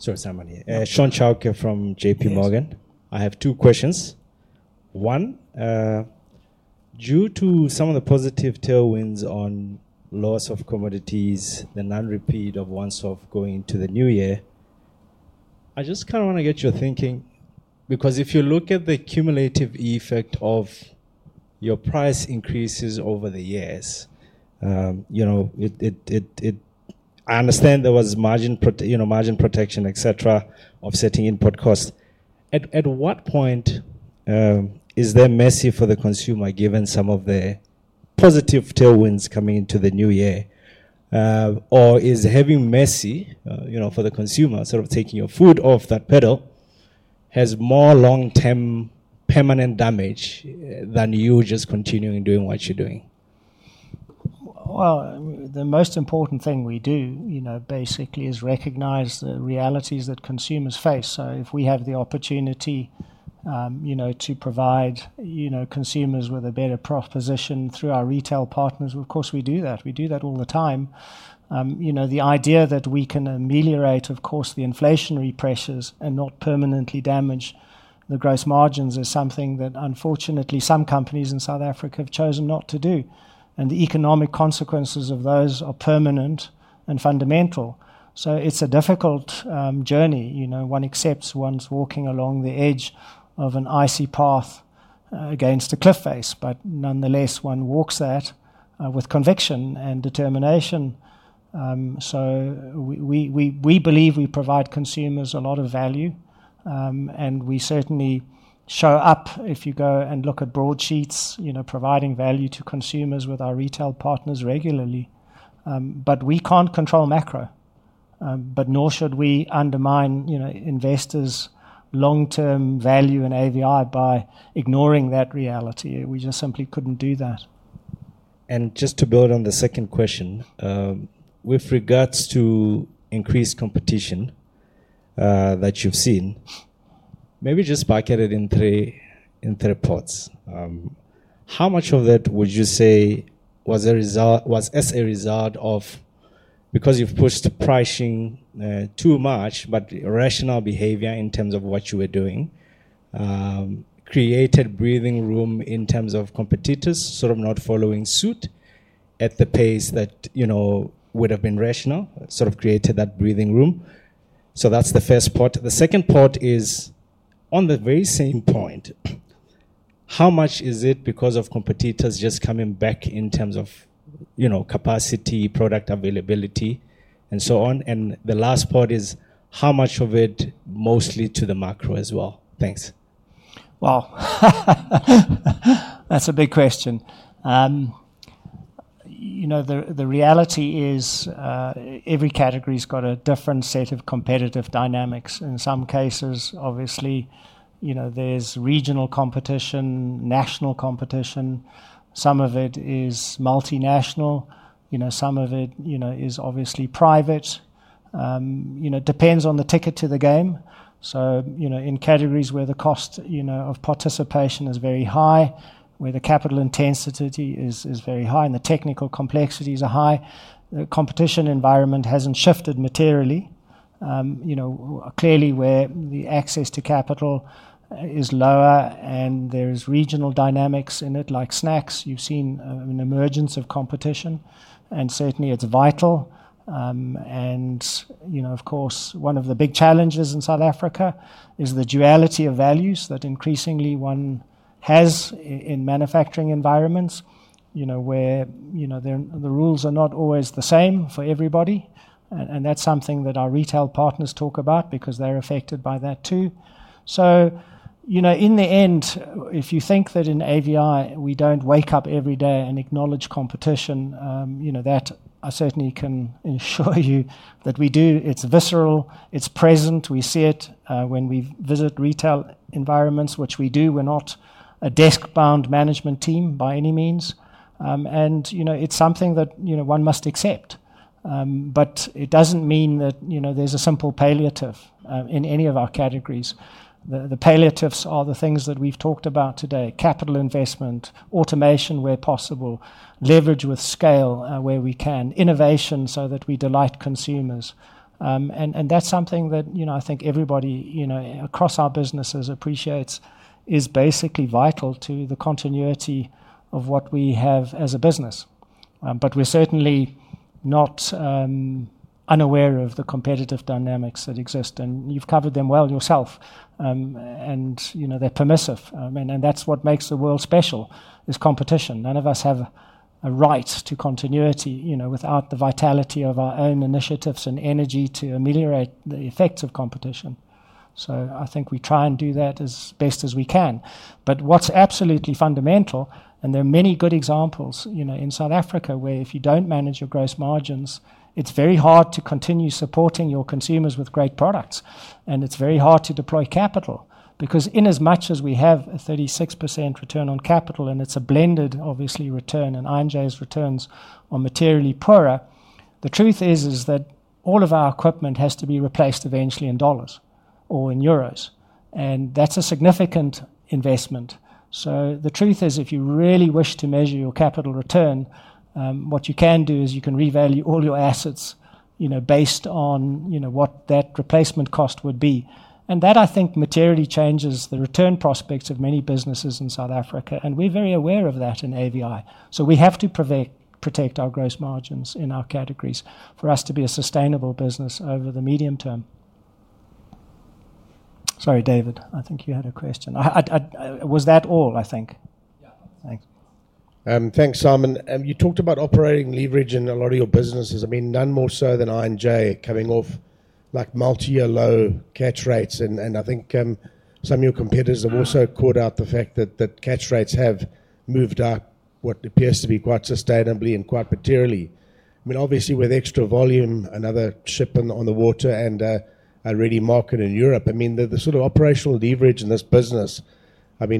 Sure, Simon here. Sean Chalker from JP Morgan. I have two questions. One, due to some of the positive tailwinds on loss of commodities, the non-repeat of ones off going to the new year, I just kind of want to get your thinking because if you look at the cumulative effect of your price increases over the years, you know, I understand there was margin, you know, protection, et cetera, offsetting input costs. At what point is there messy for the consumer given some of the positive tailwinds coming into the new year? Is having messy, you know, for the consumer, sort of taking your foot off that pedal, has more long-term permanent damage than you just continuing doing what you're doing? The most important thing we do is recognize the realities that consumers face. If we have the opportunity to provide consumers with a better proposition through our retail partners, of course, we do that. We do that all the time. The idea that we can ameliorate the inflationary pressures and not permanently damage the gross margins is something that unfortunately some companies in South Africa have chosen not to do. The economic consequences of those are permanent and fundamental. It's a difficult journey. One accepts one's walking along the edge of an icy path against a cliff face, but nonetheless, one walks that with conviction and determination. We believe we provide consumers a lot of value, and we certainly show up if you go and look at broadsheets, providing value to consumers with our retail partners regularly. We can't control macro, nor should we undermine investors' long-term value in AVI by ignoring that reality. We just simply couldn't do that. To build on the second question regarding increased competition that you've seen, maybe just bucket it in three parts. How much of that would you say was as a result of because you've pushed pricing too much, but irrational behavior in terms of what you were doing created breathing room in terms of competitors sort of not following suit at the pace that would have been rational, sort of created that breathing room. That's the first part. The second part is on the very same point. How much is it because of competitors just coming back in terms of capacity, product availability, and so on? The last part is how much of it is mostly due to the macro as well. Thanks. Wow. That's a big question. The reality is every category has got a different set of competitive dynamics. In some cases, obviously, there's regional competition, national competition. Some of it is multinational. Some of it is private. It depends on the ticket to the game. In categories where the cost of participation is very high, where the capital intensity is very high, and the technical complexities are high, the competition environment hasn't shifted materially. Clearly, where the access to capital is lower and there are regional dynamics in it, like snacks, you've seen an emergence of competition, and certainly it's vital. One of the big challenges in South Africa is the duality of values that increasingly one has in manufacturing environments, where the rules are not always the same for everybody. That's something that our retail partners talk about because they're affected by that too. In the end, if you think that in AVI we don't wake up every day and acknowledge competition, I certainly can assure you that we do. It's visceral, it's present, we see it when we visit retail environments, which we do. We're not a desk-bound management team by any means. It's something that one must accept. It doesn't mean that there's a simple palliative in any of our categories. The palliatives are the things that we've talked about today: capital investment, automation where possible, leverage with scale where we can, innovation so that we delight consumers. That's something that I think everybody across our businesses appreciates, is basically vital to the continuity of what we have as a business. We're certainly not unaware of the competitive dynamics that exist. You've covered them well yourself. They're permissive. That's what makes the world special, is competition. None of us have a right to continuity without the vitality of our own initiatives and energy to ameliorate the effects of competition. I think we try and do that as best as we can. What's absolutely fundamental, and there are many good examples in South Africa, is that if you don't manage your gross margins, it's very hard to continue supporting your consumers with great products. It's very hard to deploy capital because in as much as we have a 36% return on capital, and it's a blended, obviously, return, and I&J's returns are materially poorer, the truth is that all of our equipment has to be replaced eventually in dollars or in euros. That's a significant investment. The truth is if you really wish to measure your capital return, what you can do is you can revalue all your assets based on what that replacement cost would be. That, I think, materially changes the return prospects of many businesses in South Africa. We're very aware of that in AVI. We have to protect our gross margins in our categories for us to be a sustainable business over the medium term. Sorry, David, I think you had a question. Was that all, I think? Yeah. Thanks. Thanks, Simon. You talked about operating leverage in a lot of your businesses, none more so than I&J coming off multi-year low catch rates. I think some of your competitors have also called out the fact that catch rates have moved up what appears to be quite sustainably and quite materially. Obviously, with extra volume and other shipping on the water and a ready market in Europe, the sort of operational leverage in this business,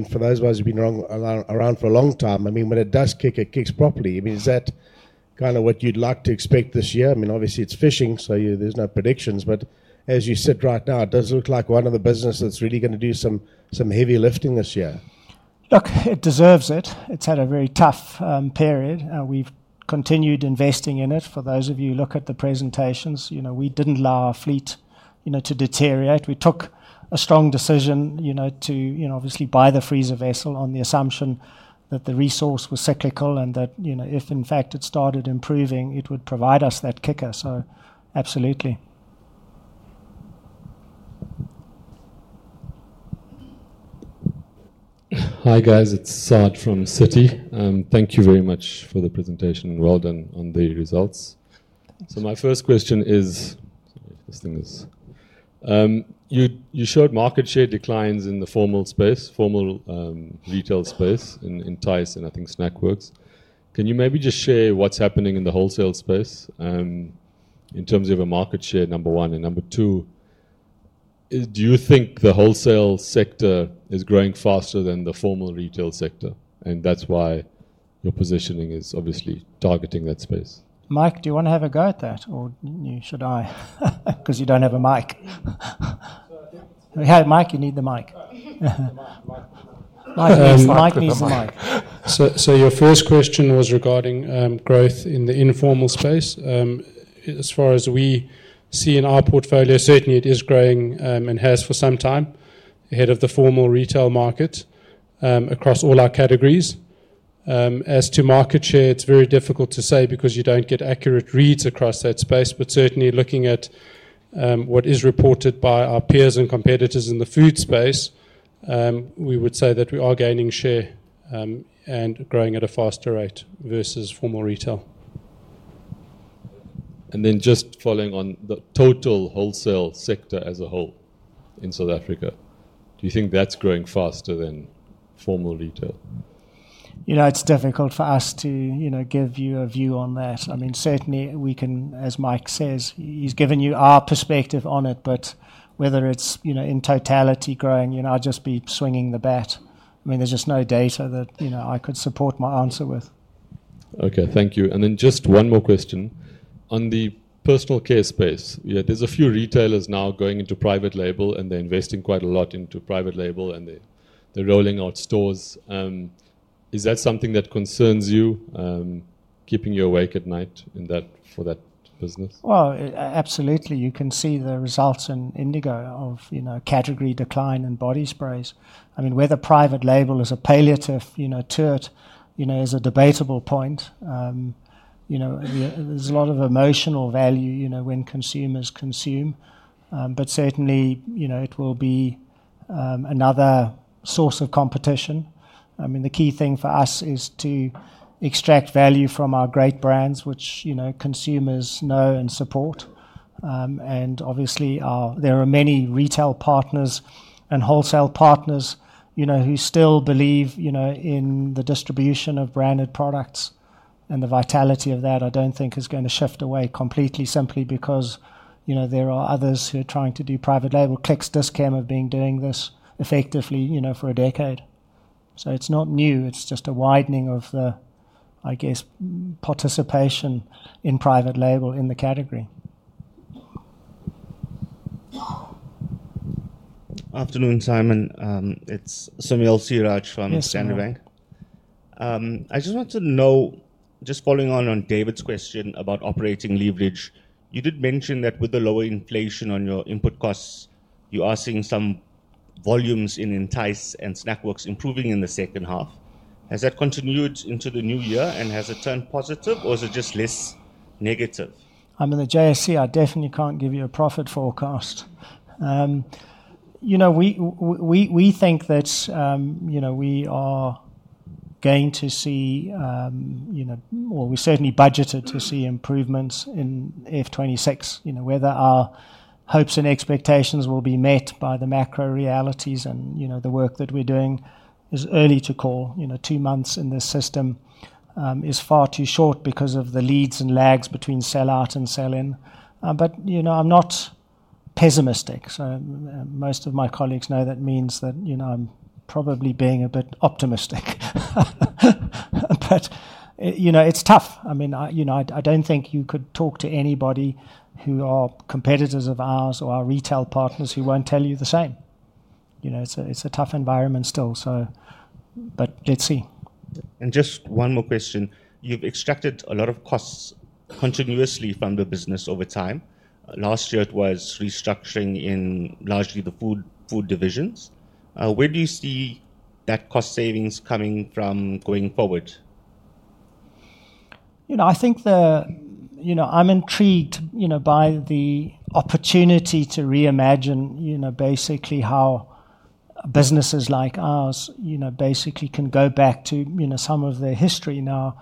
for those of us who've been around for a long time, when it does kick, it kicks properly. Is that kind of what you'd like to expect this year? Obviously, it's fishing, so there's no predictions. As you sit right now, it does look like one of the businesses that's really going to do some heavy lifting this year. Look, it deserves it. It's had a very tough period. We've continued investing in it. For those of you who look at the presentations, you know we didn't allow our fleet to deteriorate. We took a strong decision to obviously buy the freezer vessel on the assumption that the resource was cyclical and that if in fact it started improving, it would provide us that kicker. Absolutely. Hi guys, it's Saad from Citi. Thank you very much for the presentation. Well done on the results. My first question is, you showed market share declines in the formal space, formal retail space in Entyce and I think Snackworks. Can you maybe just share what's happening in the wholesale space in terms of market share, number one? Number two, do you think the wholesale sector is growing faster than the formal retail sector? That's why your positioning is obviously targeting that space. Do you want to have a go at that or should I? Because you don't have a mic. Hey, you need the mic. Needs the mic. Your first question was regarding growth in the informal space. As far as we see in our portfolio, certainly it is growing and has for some time ahead of the formal retail market across all our categories. As to market share, it's very difficult to say because you don't get accurate reads across that space. Certainly, looking at what is reported by our peers and competitors in the food space, we would say that we are gaining share and growing at a faster rate versus formal retail. Just following on the total wholesale sector as a whole in South Africa, do you think that's growing faster than formal retail? It's difficult for us to give you a view on that. Certainly, as Mike says, he's given you our perspective on it. Whether it's in totality growing, I'd just be swinging the bet. There's just no data that I could support my answer with. Thank you. Just one more question. On the personal care space, there's a few retailers now going into private label and they're investing quite a lot into private label and they're rolling out stores. Is that something that concerns you, keeping you awake at night for that business? You can see the results in Indigo of, you know, category decline in body sprays. I mean, whether private label is a palliative, you know, to it, is a debatable point. There's a lot of emotional value, you know, when consumers consume. Certainly, it will be another source of competition. The key thing for us is to extract value from our great brands, which, you know, consumers know and support. Obviously, there are many retail partners and wholesale partners, you know, who still believe, you know, in the distribution of branded products. The vitality of that, I don't think, is going to shift away completely, simply because, you know, there are others who are trying to do private label. Clicks, Dis-Chem have been doing this effectively, you know, for a decade. It's not new. It's just a widening of the, I guess, participation in private label in the category. Afternoon, Simon. It's Samuel Sirach from Standard Bank. I just want to know, just following on David's question about operating leverage, you did mention that with the lower inflation on your input costs, you are seeing some volumes in Entyce and Snackworks improving in the second half. Has that continued into the new year and has it turned positive or is it just less negative? I'm in the JSE, I definitely can't give you a profit forecast. We think that we are going to see, or we certainly budgeted to see, improvements in FY 2026. Whether our hopes and expectations will be met by the macro realities and the work that we're doing, it's early to call. Two months in this system is far too short because of the leads and lags between sell out and sell in. I'm not pessimistic. Most of my colleagues know that means that I'm probably being a bit optimistic. It's tough. I don't think you could talk to anybody who are competitors of ours or our retail partners who won't tell you the same. It's a tough environment still. Let's see. You have extracted a lot of costs continuously from the business over time. Last year, it was restructuring in largely the food divisions. Where do you see that cost savings coming from going forward? I think I'm intrigued by the opportunity to reimagine basically how businesses like ours can go back to some of the history now.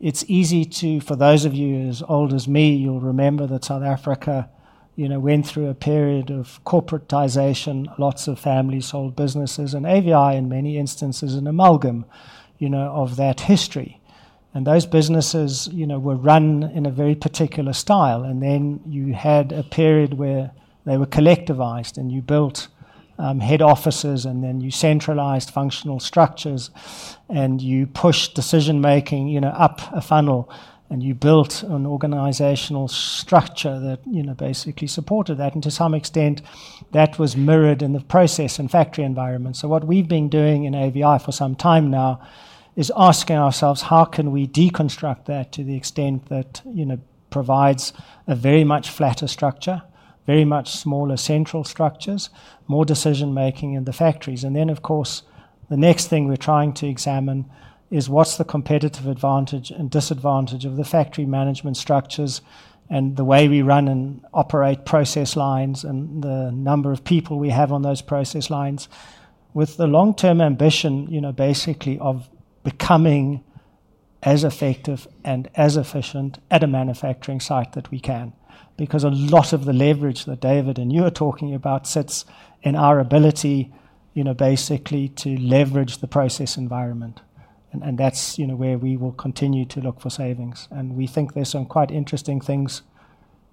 It's easy to, for those of you as old as me, you'll remember that South Africa went through a period of corporatization, lots of families sold businesses, and AVI in many instances is an amalgam of that history. Those businesses were run in a very particular style. There was a period where they were collectivized and you built head offices and then you centralized functional structures and you pushed decision making up a funnel and you built an organizational structure that basically supported that. To some extent, that was mirrored in the process and factory environment. What we've been doing in AVI for some time now is asking ourselves, how can we deconstruct that to the extent that provides a very much flatter structure, very much smaller central structures, more decision making in the factories. The next thing we're trying to examine is what's the competitive advantage and disadvantage of the factory management structures and the way we run and operate process lines and the number of people we have on those process lines with the long-term ambition basically of becoming as effective and as efficient at a manufacturing site that we can. A lot of the leverage that David and you are talking about sits in our ability basically to leverage the process environment. That's where we will continue to look for savings. We think there's some quite interesting things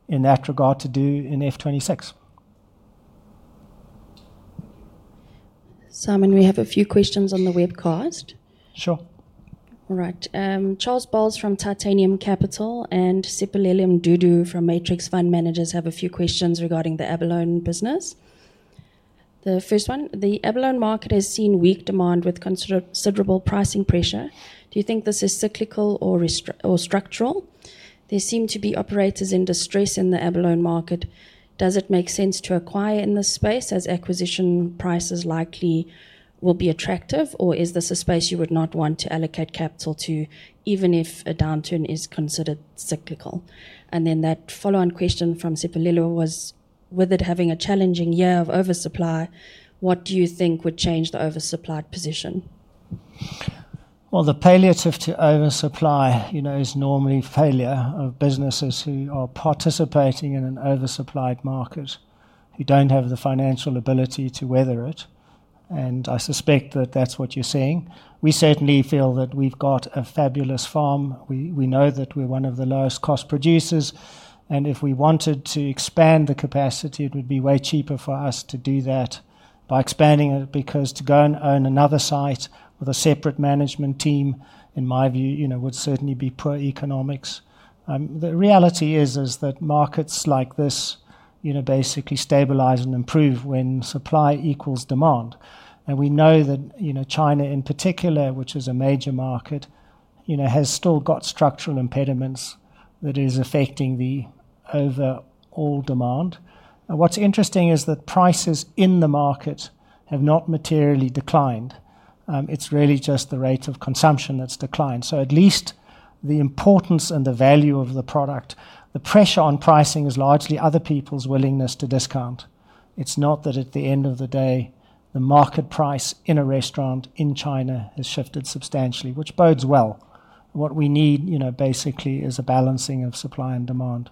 in that regard to do in FY 2026. Simon, we have a few questions on the webcast. Sure. All right. Charles Boles from Titanium Capital and Siphelele Mdudu from Matrix Fund Managers have a few questions regarding the abalone business. The first one, the abalone market has seen weak demand with considerable pricing pressure. Do you think this is cyclical or structural? There seem to be operators in distress in the abalone market. Does it make sense to acquire in this space as acquisition prices likely will be attractive, or is this a space you would not want to allocate capital to, even if a downturn is considered cyclical? That follow-on question from Siphelele was, with it having a challenging year of oversupply, what do you think would change the oversupplied position? The palliative to oversupply is normally failure of businesses who are participating in an oversupplied market. You don't have the financial ability to weather it. I suspect that that's what you're seeing. We certainly feel that we've got a fabulous farm. We know that we're one of the lowest cost producers. If we wanted to expand the capacity, it would be way cheaper for us to do that by expanding it because to go and own another site with a separate management team, in my view, would certainly be poor economics. The reality is that markets like this basically stabilize and improve when supply equals demand. We know that China in particular, which is a major market, has still got structural impediments that are affecting the overall demand. What's interesting is that prices in the market have not materially declined. It's really just the rate of consumption that's declined. At least the importance and the value of the product, the pressure on pricing is largely other people's willingness to discount. It's not that at the end of the day, the market price in a restaurant in China has shifted substantially, which bodes well. What we need basically is a balancing of supply and demand.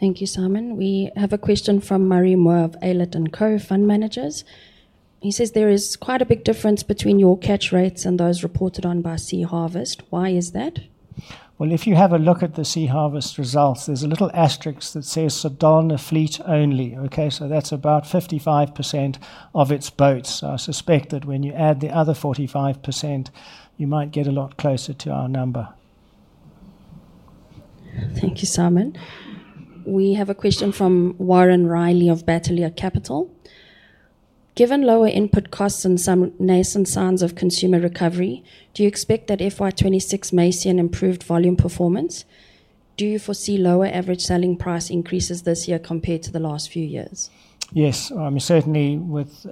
Thank you, Simon. We have a question from Marie Moore of Aylett & Co. Fund Managers. She says there is quite a big difference between your catch rates and those reported on by Sea Harvest. Why is that? If you have a look at the Sea Harvest results, there's a little asterisk that says Saldanha fleet only. That's about 55% of its boats. I suspect that when you add the other 45%, you might get a lot closer to our number. Thank you, Simon. We have a question from Warren Riley of Bateleur Capital. Given lower input costs and some nascent signs of consumer recovery, do you expect that FY 2026 may see an improved volume performance? Do you foresee lower average selling price increases this year compared to the last few years? Yes, I mean, certainly with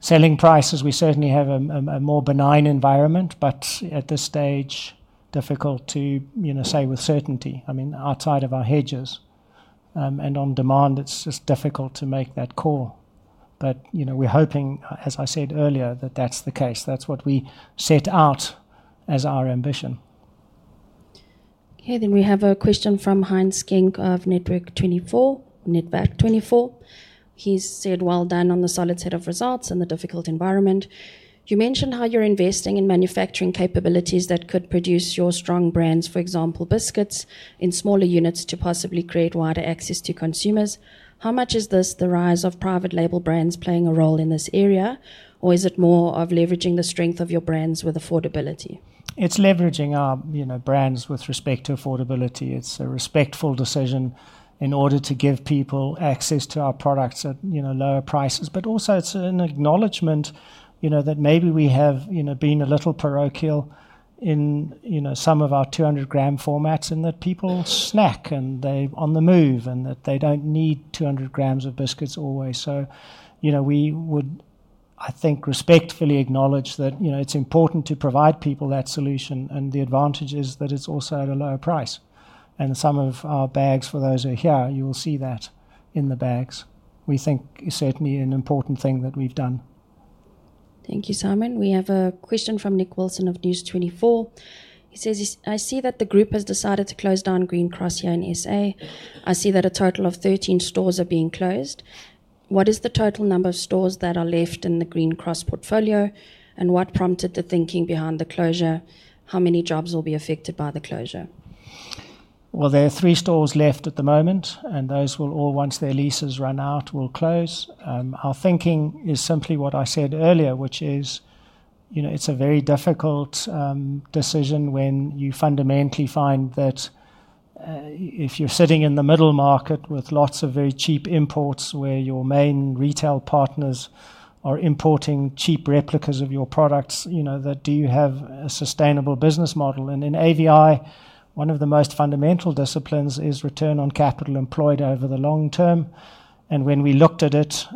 selling prices, we certainly have a more benign environment, but at this stage, difficult to say with certainty. I mean, outside of our hedges and on demand, it's just difficult to make that call. We're hoping, as I said earlier, that that's the case. That's what we set out as our ambition. Okay, we have a question from Heinz Schenk of Netwerk24. He said, "Well done on the solid set of results in the difficult environment. You mentioned how you're investing in manufacturing capabilities that could produce your strong brands, for example, biscuits, in smaller units to possibly create wider access to consumers. How much is this the rise of private label brands playing a role in this area, or is it more of leveraging the strength of your brands with affordability? It's leveraging our brands with respect to affordability. It's a respectful decision in order to give people access to our products at lower prices. It's an acknowledgement that maybe we have been a little parochial in some of our 200 g formats and that people snack and they're on the move and that they don't need 200 g of biscuits always. We would, I think, respectfully acknowledge that it's important to provide people that solution and the advantage is that it's also at a lower price. Some of our bags, for those who are here, you will see that in the bags. We think it's certainly an important thing that we've done. Thank you, Simon. We have a question from Nick Wilson of News24. He says, "I see that the group has decided to close down Green Cross here in South Africa. I see that a total of 13 stores are being closed. What is the total number of stores that are left in the Green Cross portfolio, and what prompted the thinking behind the closure? How many jobs will be affected by the closure? There are three doors left at the moment, and those will all, once their leases run out, close. Our thinking is simply what I said earlier, which is, you know, it's a very difficult decision when you fundamentally find that, if you're sitting in the middle market with lots of very cheap imports where your main retail partners are importing cheap replicas of your products, you know, that do you have a sustainable business model? In AVI, one of the most fundamental disciplines is return on capital employed over the long term. When we looked at it,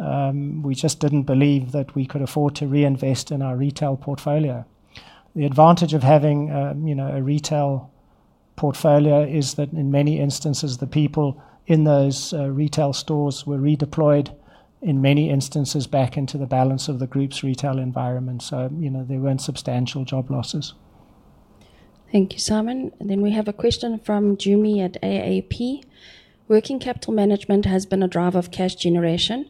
we just didn't believe that we could afford to reinvest in our retail portfolio. The advantage of having, you know, a retail portfolio is that in many instances, the people in those retail stores were redeployed in many instances back into the balance of the group's retail environment. You know, there weren't substantial job losses. Thank you, Simon. We have a question from Jumi at AAP. Working capital management has been a driver of cash generation.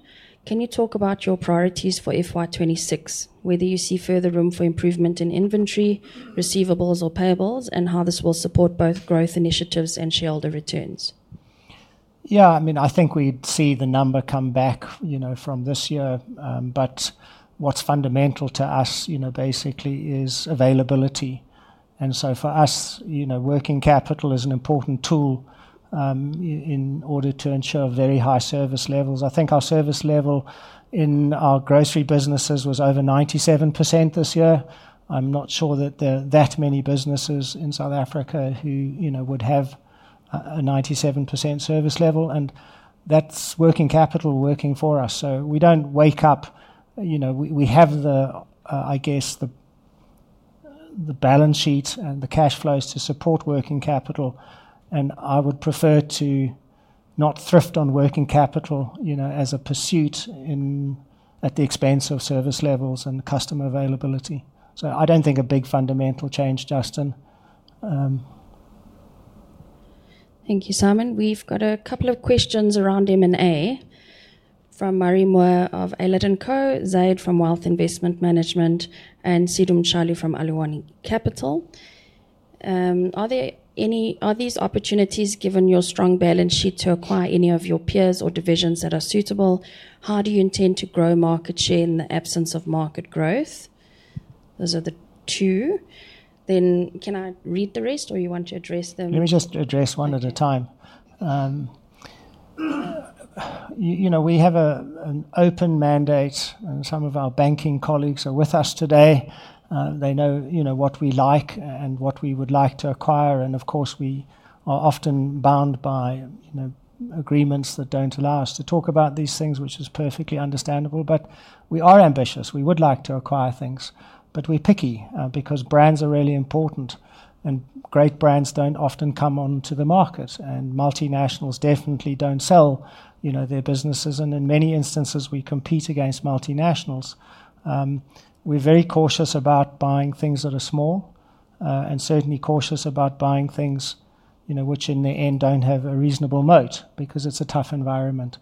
Can you talk about your priorities for FY 2026, whether you see further room for improvement in inventory, receivables, or payables, and how this will support both growth initiatives and shareholder returns? Yeah, I mean, I think we'd see the number come back from this year. What's fundamental to us basically is availability. For us, working capital is an important tool in order to ensure very high service levels. I think our service level in our grocery businesses was over 97% this year. I'm not sure that there are that many businesses in South Africa who would have a 97% service level, and that's working capital working for us. We have the, I guess, the balance sheet and the cash flows to support working capital. I would prefer to not thrift on working capital as a pursuit at the expense of service levels and customer availability. I don't think a big fundamental change, Justin. Thank you, Simon. We've got a couple of questions around M&A from Marie Moore of Aylett & Co, Zayed from Wealth Investment Management, and [Sidhum Sharli] from ALUWANI Capital. Are these opportunities, given your strong balance sheet, to acquire any of your peers or divisions that are suitable? How do you intend to grow market share in the absence of market growth? Those are the two. Can I read the rest or do you want to address them? Let me just address one at a time. We have an open mandate. Some of our banking colleagues are with us today. They know what we like and what we would like to acquire. Of course, we are often bound by agreements that don't allow us to talk about these things, which is perfectly understandable. We are ambitious. We would like to acquire things, but we're picky because brands are really important. Great brands don't often come onto the market. Multinationals definitely don't sell their businesses. In many instances, we compete against multinationals. We're very cautious about buying things that are small, and certainly cautious about buying things which in the end don't have a reasonable moat because it's a tough environment.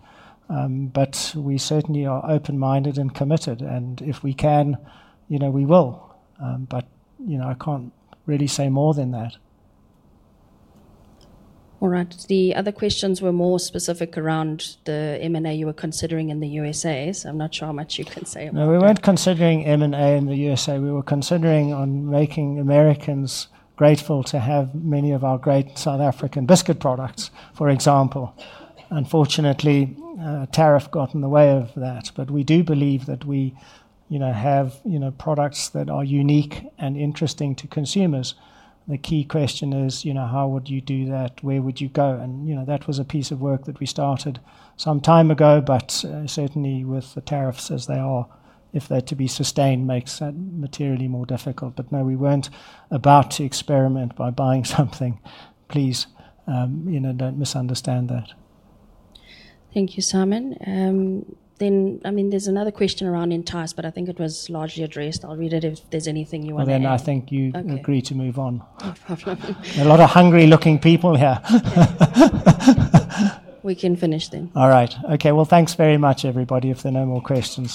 We certainly are open-minded and committed. If we can, we will. I can't really say more than that. All right. The other questions were more specific around the M&A you were considering in the U.S. I'm not sure how much you can say about that. No, we weren't considering M&A in the U.S. We were considering making Americans grateful to have many of our great South African biscuit products, for example. Unfortunately, a tariff got in the way of that. We do believe that we have products that are unique and interesting to consumers. The key question is, how would you do that? Where would you go? That was a piece of work that we started some time ago, but certainly with the tariffs as they are, if they're to be sustained, it makes that materially more difficult. No, we weren't about to experiment by buying something. Please don't misunderstand that. Thank you, Simon. I mean, there's another question around Entyce, but I think it was largely addressed. I'll read it if there's anything you want to add. I think you agree to move on. Lovely. A lot of hungry-looking people here. We can finish then. All right. Okay. Thanks very much, everybody, if there are no more questions.